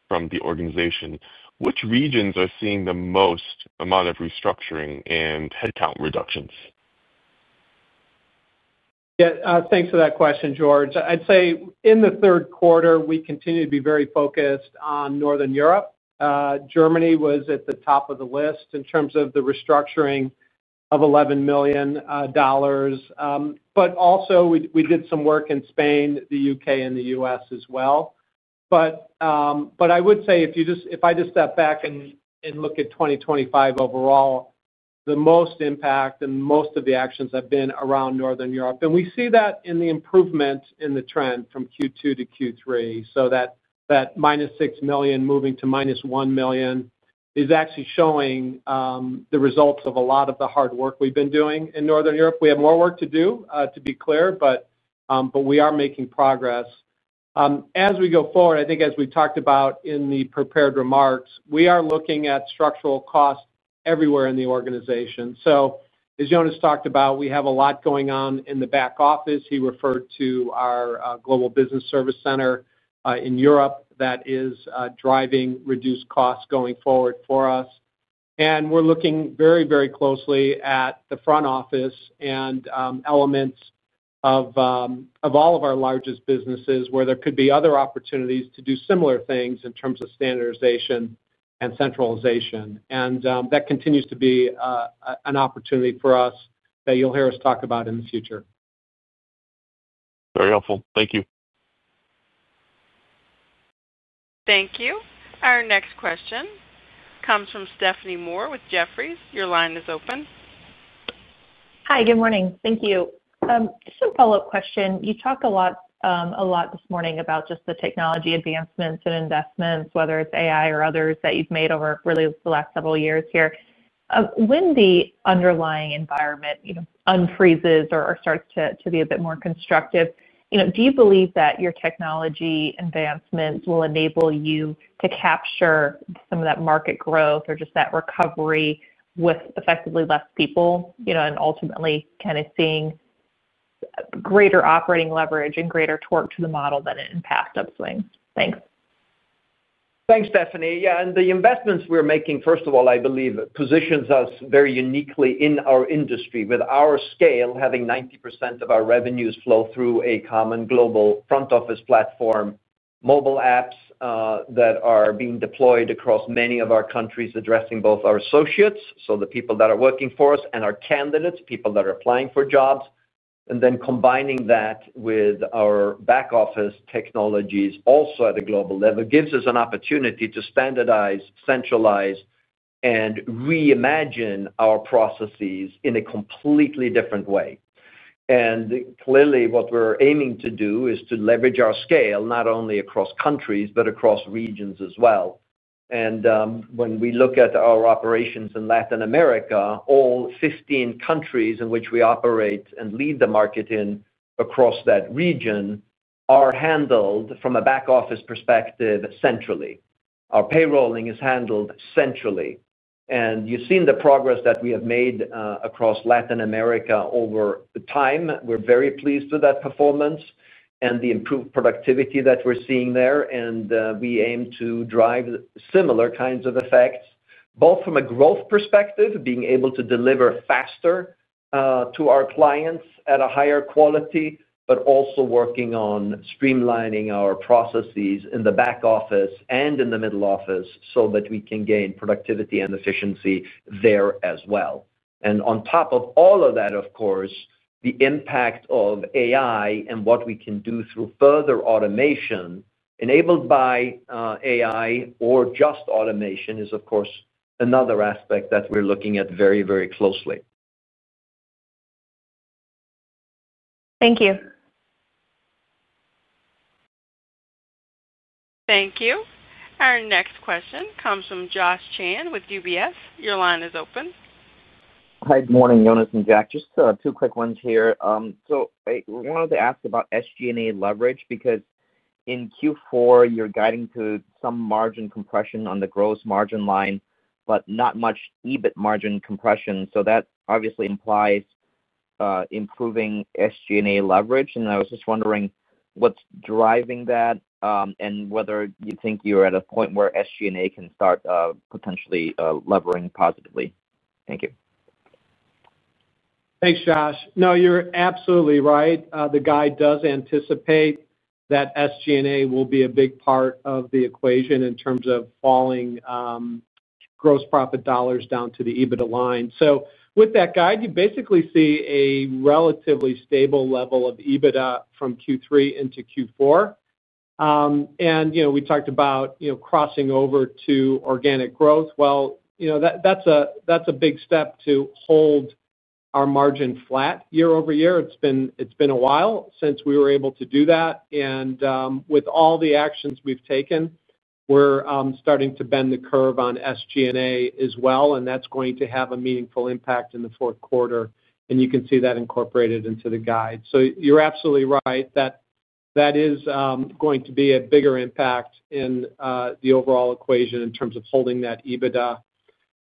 from the organization. Which regions are seeing the most amount of restructuring and headcount reductions? Yeah, thanks for that question, George. I'd say in the third quarter, we continue to be very focused on Northern Europe. Germany was at the top of the list in terms of the restructuring of $11 million. We did some work in Spain, the U.K., and the U.S. as well. If I just step back and look at 2025 overall, the most impact and most of the actions have been around Northern Europe. We see that in the improvement in the trend from Q2 to Q3. That -$6 million moving to -$1 million is actually showing the results of a lot of the hard work we've been doing in Northern Europe. We have more work to do, to be clear, but we are making progress. As we go forward, I think as we've talked about in the prepared remarks, we are looking at structural costs everywhere in the organization. As Jonas talked about, we have a lot going on in the back office. He referred to our global business service center in Europe that is driving reduced costs going forward for us. We're looking very, very closely at the front office and elements of all of our largest businesses where there could be other opportunities to do similar things in terms of standardization and centralization. That continues to be an opportunity for us that you'll hear us talk about in the future. Very helpful. Thank you. Thank you. Our next question comes from Stephanie Moore with Jefferies. Your line is open. Hi, good morning. Thank you. Just a follow-up question. You talked a lot this morning about just the technology advancements and investments, whether it's AI or others, that you've made over really the last several years here. When the underlying environment unfreezes or starts to be a bit more constructive, do you believe that your technology advancements will enable you to capture some of that market growth or just that recovery with effectively less people, and ultimately kind of seeing greater operating leverage and greater torque to the model than it in past upswings? Thanks. Thanks, Stephanie. Yeah, the investments we're making, first of all, I believe, position us very uniquely in our industry with our scale, having 90% of our revenues flow through a common global front office platform, mobile apps that are being deployed across many of our countries, addressing both our associates, so the people that are working for us, and our candidates, people that are applying for jobs. Combining that with our back office technologies also at a global level gives us an opportunity to standardize, centralize, and reimagine our processes in a completely different way. Clearly, what we're aiming to do is to leverage our scale not only across countries, but across regions as well. When we look at our operations in Latin America, all 15 countries in which we operate and lead the market in across that region are handled from a back office perspective centrally. Our payrolling is handled centrally. You've seen the progress that we have made across Latin America over time. We're very pleased with that performance and the improved productivity that we're seeing there. We aim to drive similar kinds of effects, both from a growth perspective, being able to deliver faster to our clients at a higher quality, but also working on streamlining our processes in the back office and in the middle office so that we can gain productivity and efficiency there as well. On top of all of that, of course, the impact of AI and what we can do through further automation enabled by AI or just automation is, of course, another aspect that we're looking at very, very closely. Thank you. Thank you. Our next question comes from Josh Chan with UBS. Your line is open. Hi, good morning, Jonas and Jack. Just two quick ones here. I wanted to ask about SG&A leverage because in Q4, you're guiding to some margin compression on the gross margin line, but not much EBIT margin compression. That obviously implies improving SG&A leverage. I was just wondering what's driving that and whether you think you're at a point where SG&A can start potentially levering positively. Thank you. Thanks, Josh. No, you're absolutely right. The guide does anticipate that SG&A will be a big part of the equation in terms of falling gross profit dollars down to the EBITDA line. With that guide, you basically see a relatively stable level of EBITDA from Q3 into Q4. We talked about crossing over to organic growth. That's a big step to hold our margin flat year over year. It's been a while since we were able to do that. With all the actions we've taken, we're starting to bend the curve on SG&A as well. That's going to have a meaningful impact in the fourth quarter, and you can see that incorporated into the guide. You're absolutely right that that is going to be a bigger impact in the overall equation in terms of holding that EBITDA.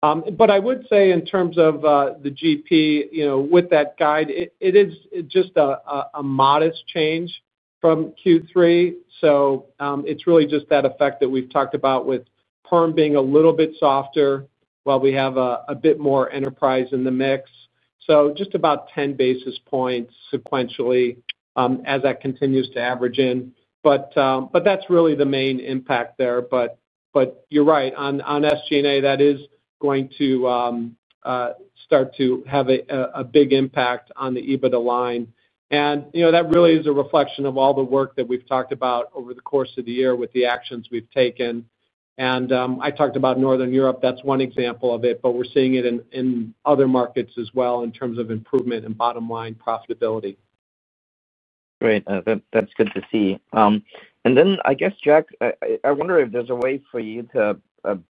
I would say in terms of the GP, with that guide, it is just a modest change from Q3. It's really just that effect that we've talked about with perm being a little bit softer while we have a bit more enterprise in the mix, so just about 10 basis points sequentially as that continues to average in. That's really the main impact there. You're right, on SG&A that is going to start to have a big impact on the EBITDA line. That really is a reflection of all the work that we've talked about over the course of the year with the actions we've taken. I talked about Northern Europe, that's one example of it, but we're seeing it in other markets as well in terms of improvement in bottom line profitability. Great. That's good to see. I guess, Jack, I wonder if there's a way for you to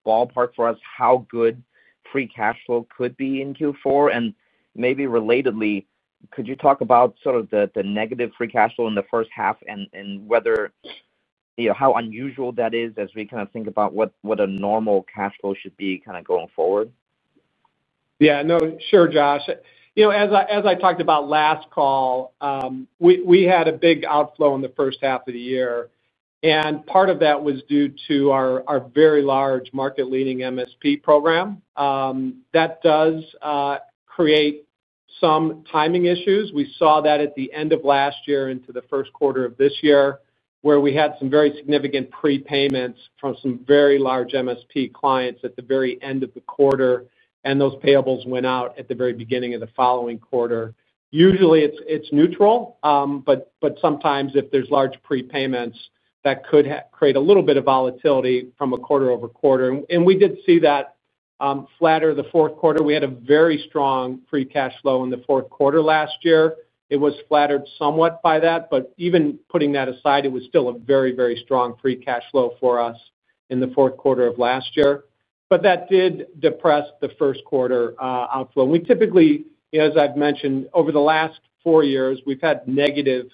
ballpark for us how good free cash flow could be in Q4. Maybe relatedly, could you talk about sort of the negative free cash flow in the first half and whether, you know, how unusual that is as we kind of think about what a normal cash flow should be going forward? Yeah, no, sure, Josh. As I talked about last call, we had a big outflow in the first half of the year. Part of that was due to our very large market-leading MSP program. That does create some timing issues. We saw that at the end of last year into the first quarter of this year, where we had some very significant prepayments from some very large MSP clients at the very end of the quarter. Those payables went out at the very beginning of the following quarter. Usually, it's neutral, but sometimes if there's large prepayments, that could create a little bit of volatility from a quarter over quarter. We did see that. Flatter the fourth quarter. We had a very strong free cash flow in the fourth quarter last year. It was flattered somewhat by that, but even putting that aside, it was still a very, very strong free cash flow for us in the fourth quarter of last year. That did depress the first quarter outflow. We typically, you know, as I've mentioned, over the last four years, we've had negative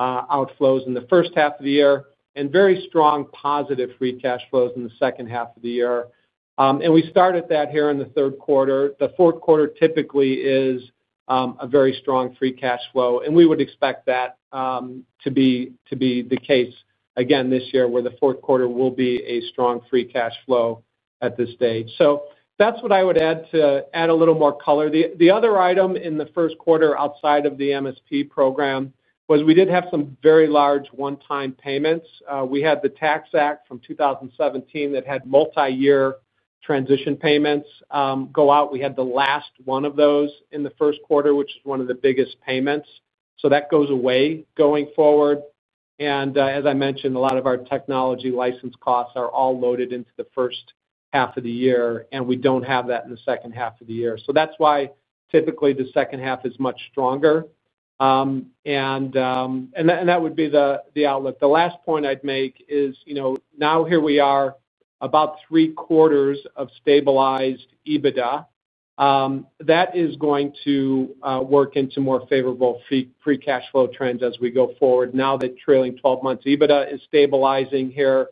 outflows in the first half of the year and very strong positive free cash flows in the second half of the year. We started that here in the third quarter. The fourth quarter typically is a very strong free cash flow, and we would expect that to be the case again this year where the fourth quarter will be a strong free cash flow at this stage. That's what I would add to add a little more color. The other item in the first quarter outside of the MSP program was we did have some very large one-time payments. We had the tax act from 2017 that had multi-year transition payments go out. We had the last one of those in the first quarter, which is one of the biggest payments. That goes away going forward. As I mentioned, a lot of our technology license costs are all loaded into the first half of the year, and we don't have that in the second half of the year. That's why typically the second half is much stronger, and that would be the outlook. The last point I'd make is, you know, now here we are about three quarters of stabilized EBITDA. That is going to work into more favorable free cash flow trends as we go forward. Now that trailing 12 months EBITDA is stabilizing here,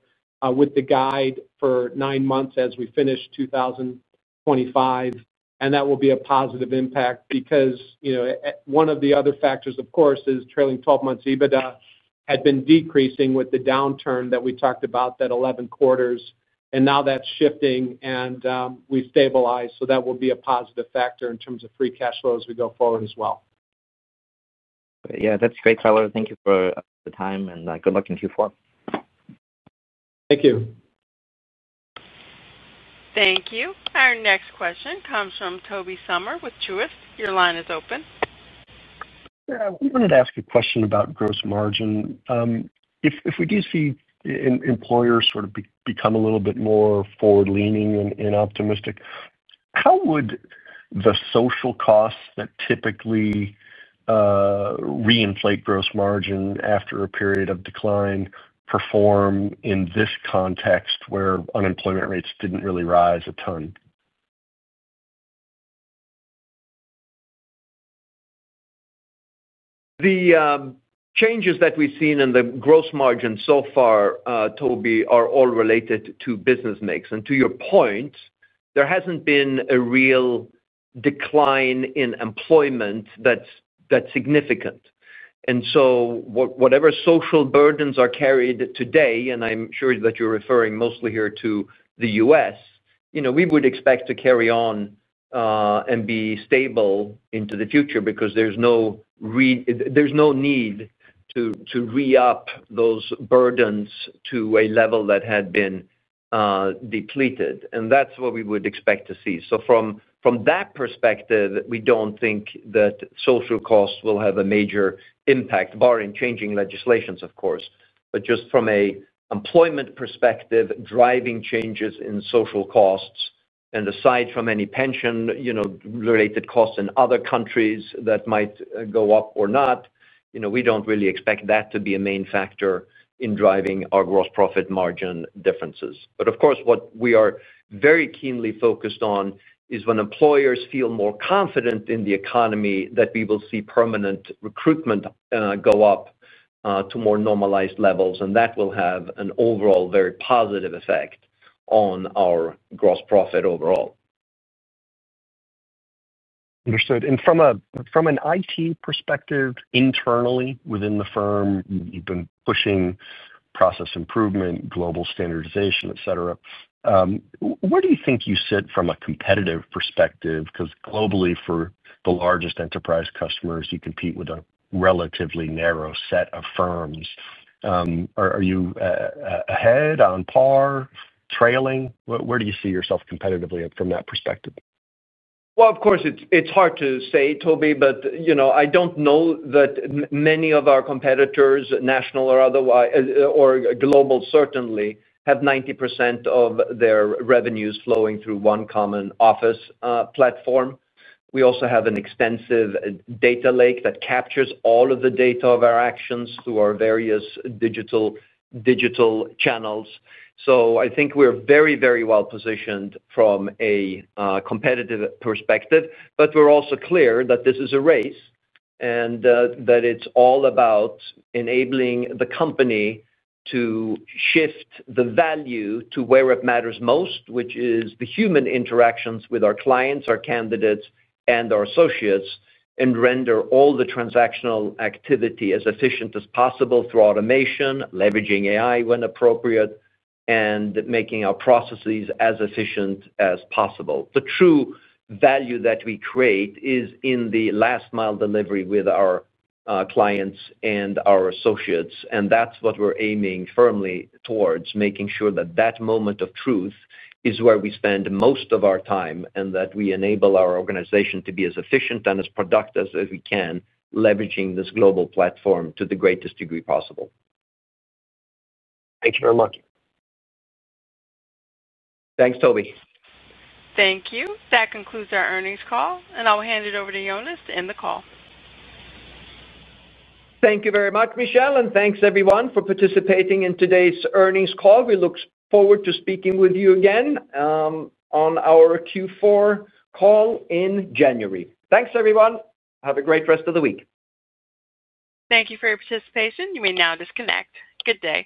with the guide for nine months as we finish 2025, and that will be a positive impact because, you know, one of the other factors, of course, is trailing 12 months EBITDA had been decreasing with the downturn that we talked about that 11 quarters, and now that's shifting and we've stabilized. That will be a positive factor in terms of free cash flow as we go forward as well. Great. Yeah, that's great, color. Thank you for the time and good luck in Q4. Thank you. Thank you. Our next question comes from Tobey Sommer with Truist. Your line is open. Yeah. I wanted to ask a question about gross margin. If we do see employers sort of become a little bit more forward-leaning and optimistic, how would the social costs that typically re-inflate gross margin after a period of decline perform in this context where unemployment rates didn't really rise a ton? The changes that we've seen in the gross margin so far, Tobey, are all related to business mix. To your point, there hasn't been a real decline in employment that's that significant. Whatever social burdens are carried today, and I'm sure that you're referring mostly here to the U.S., we would expect to carry on and be stable into the future because there's no need to re-up those burdens to a level that had been depleted. That's what we would expect to see. From that perspective, we don't think that social costs will have a major impact, barring changing legislations, of course. Just from an employment perspective, driving changes in social costs, and aside from any pension-related costs in other countries that might go up or not, we don't really expect that to be a main factor in driving our gross profit margin differences. Of course, what we are very keenly focused on is when employers feel more confident in the economy, that we will see permanent recruitment go up to more normalized levels. That will have an overall very positive effect on our gross profit overall. Understood. From an IT perspective, internally within the firm, you've been pushing process improvement, global standardization, etc. Where do you think you sit from a competitive perspective? Because globally, for the largest enterprise customers, you compete with a relatively narrow set of firms. Are you ahead, on par, trailing? Where do you see yourself competitively from that perspective? It's hard to say, Tobey, but I don't know that many of our competitors, national or otherwise, or global certainly, have 90% of their revenues flowing through one common office platform. We also have an extensive data lake that captures all of the data of our actions through our various digital channels. I think we're very, very well positioned from a competitive perspective, but we're also clear that this is a race and that it's all about enabling the company to shift the value to where it matters most, which is the human interactions with our clients, our candidates, and our associates, and render all the transactional activity as efficient as possible through automation, leveraging AI when appropriate, and making our processes as efficient as possible. The true value that we create is in the last-mile delivery with our clients and our associates. That's what we're aiming firmly towards, making sure that that moment of truth is where we spend most of our time and that we enable our organization to be as efficient and as productive as we can, leveraging this global platform to the greatest degree possible. Thank you very much. Thanks, Toby. Thank you. That concludes our earnings call, and I'll hand it over to Jonas to end the call. Thank you very much, Michele, and thanks, everyone, for participating in today's earnings call. We look forward to speaking with you again on our Q4 call in January. Thanks, everyone. Have a great rest of the week. Thank you for your participation. You may now disconnect. Good day.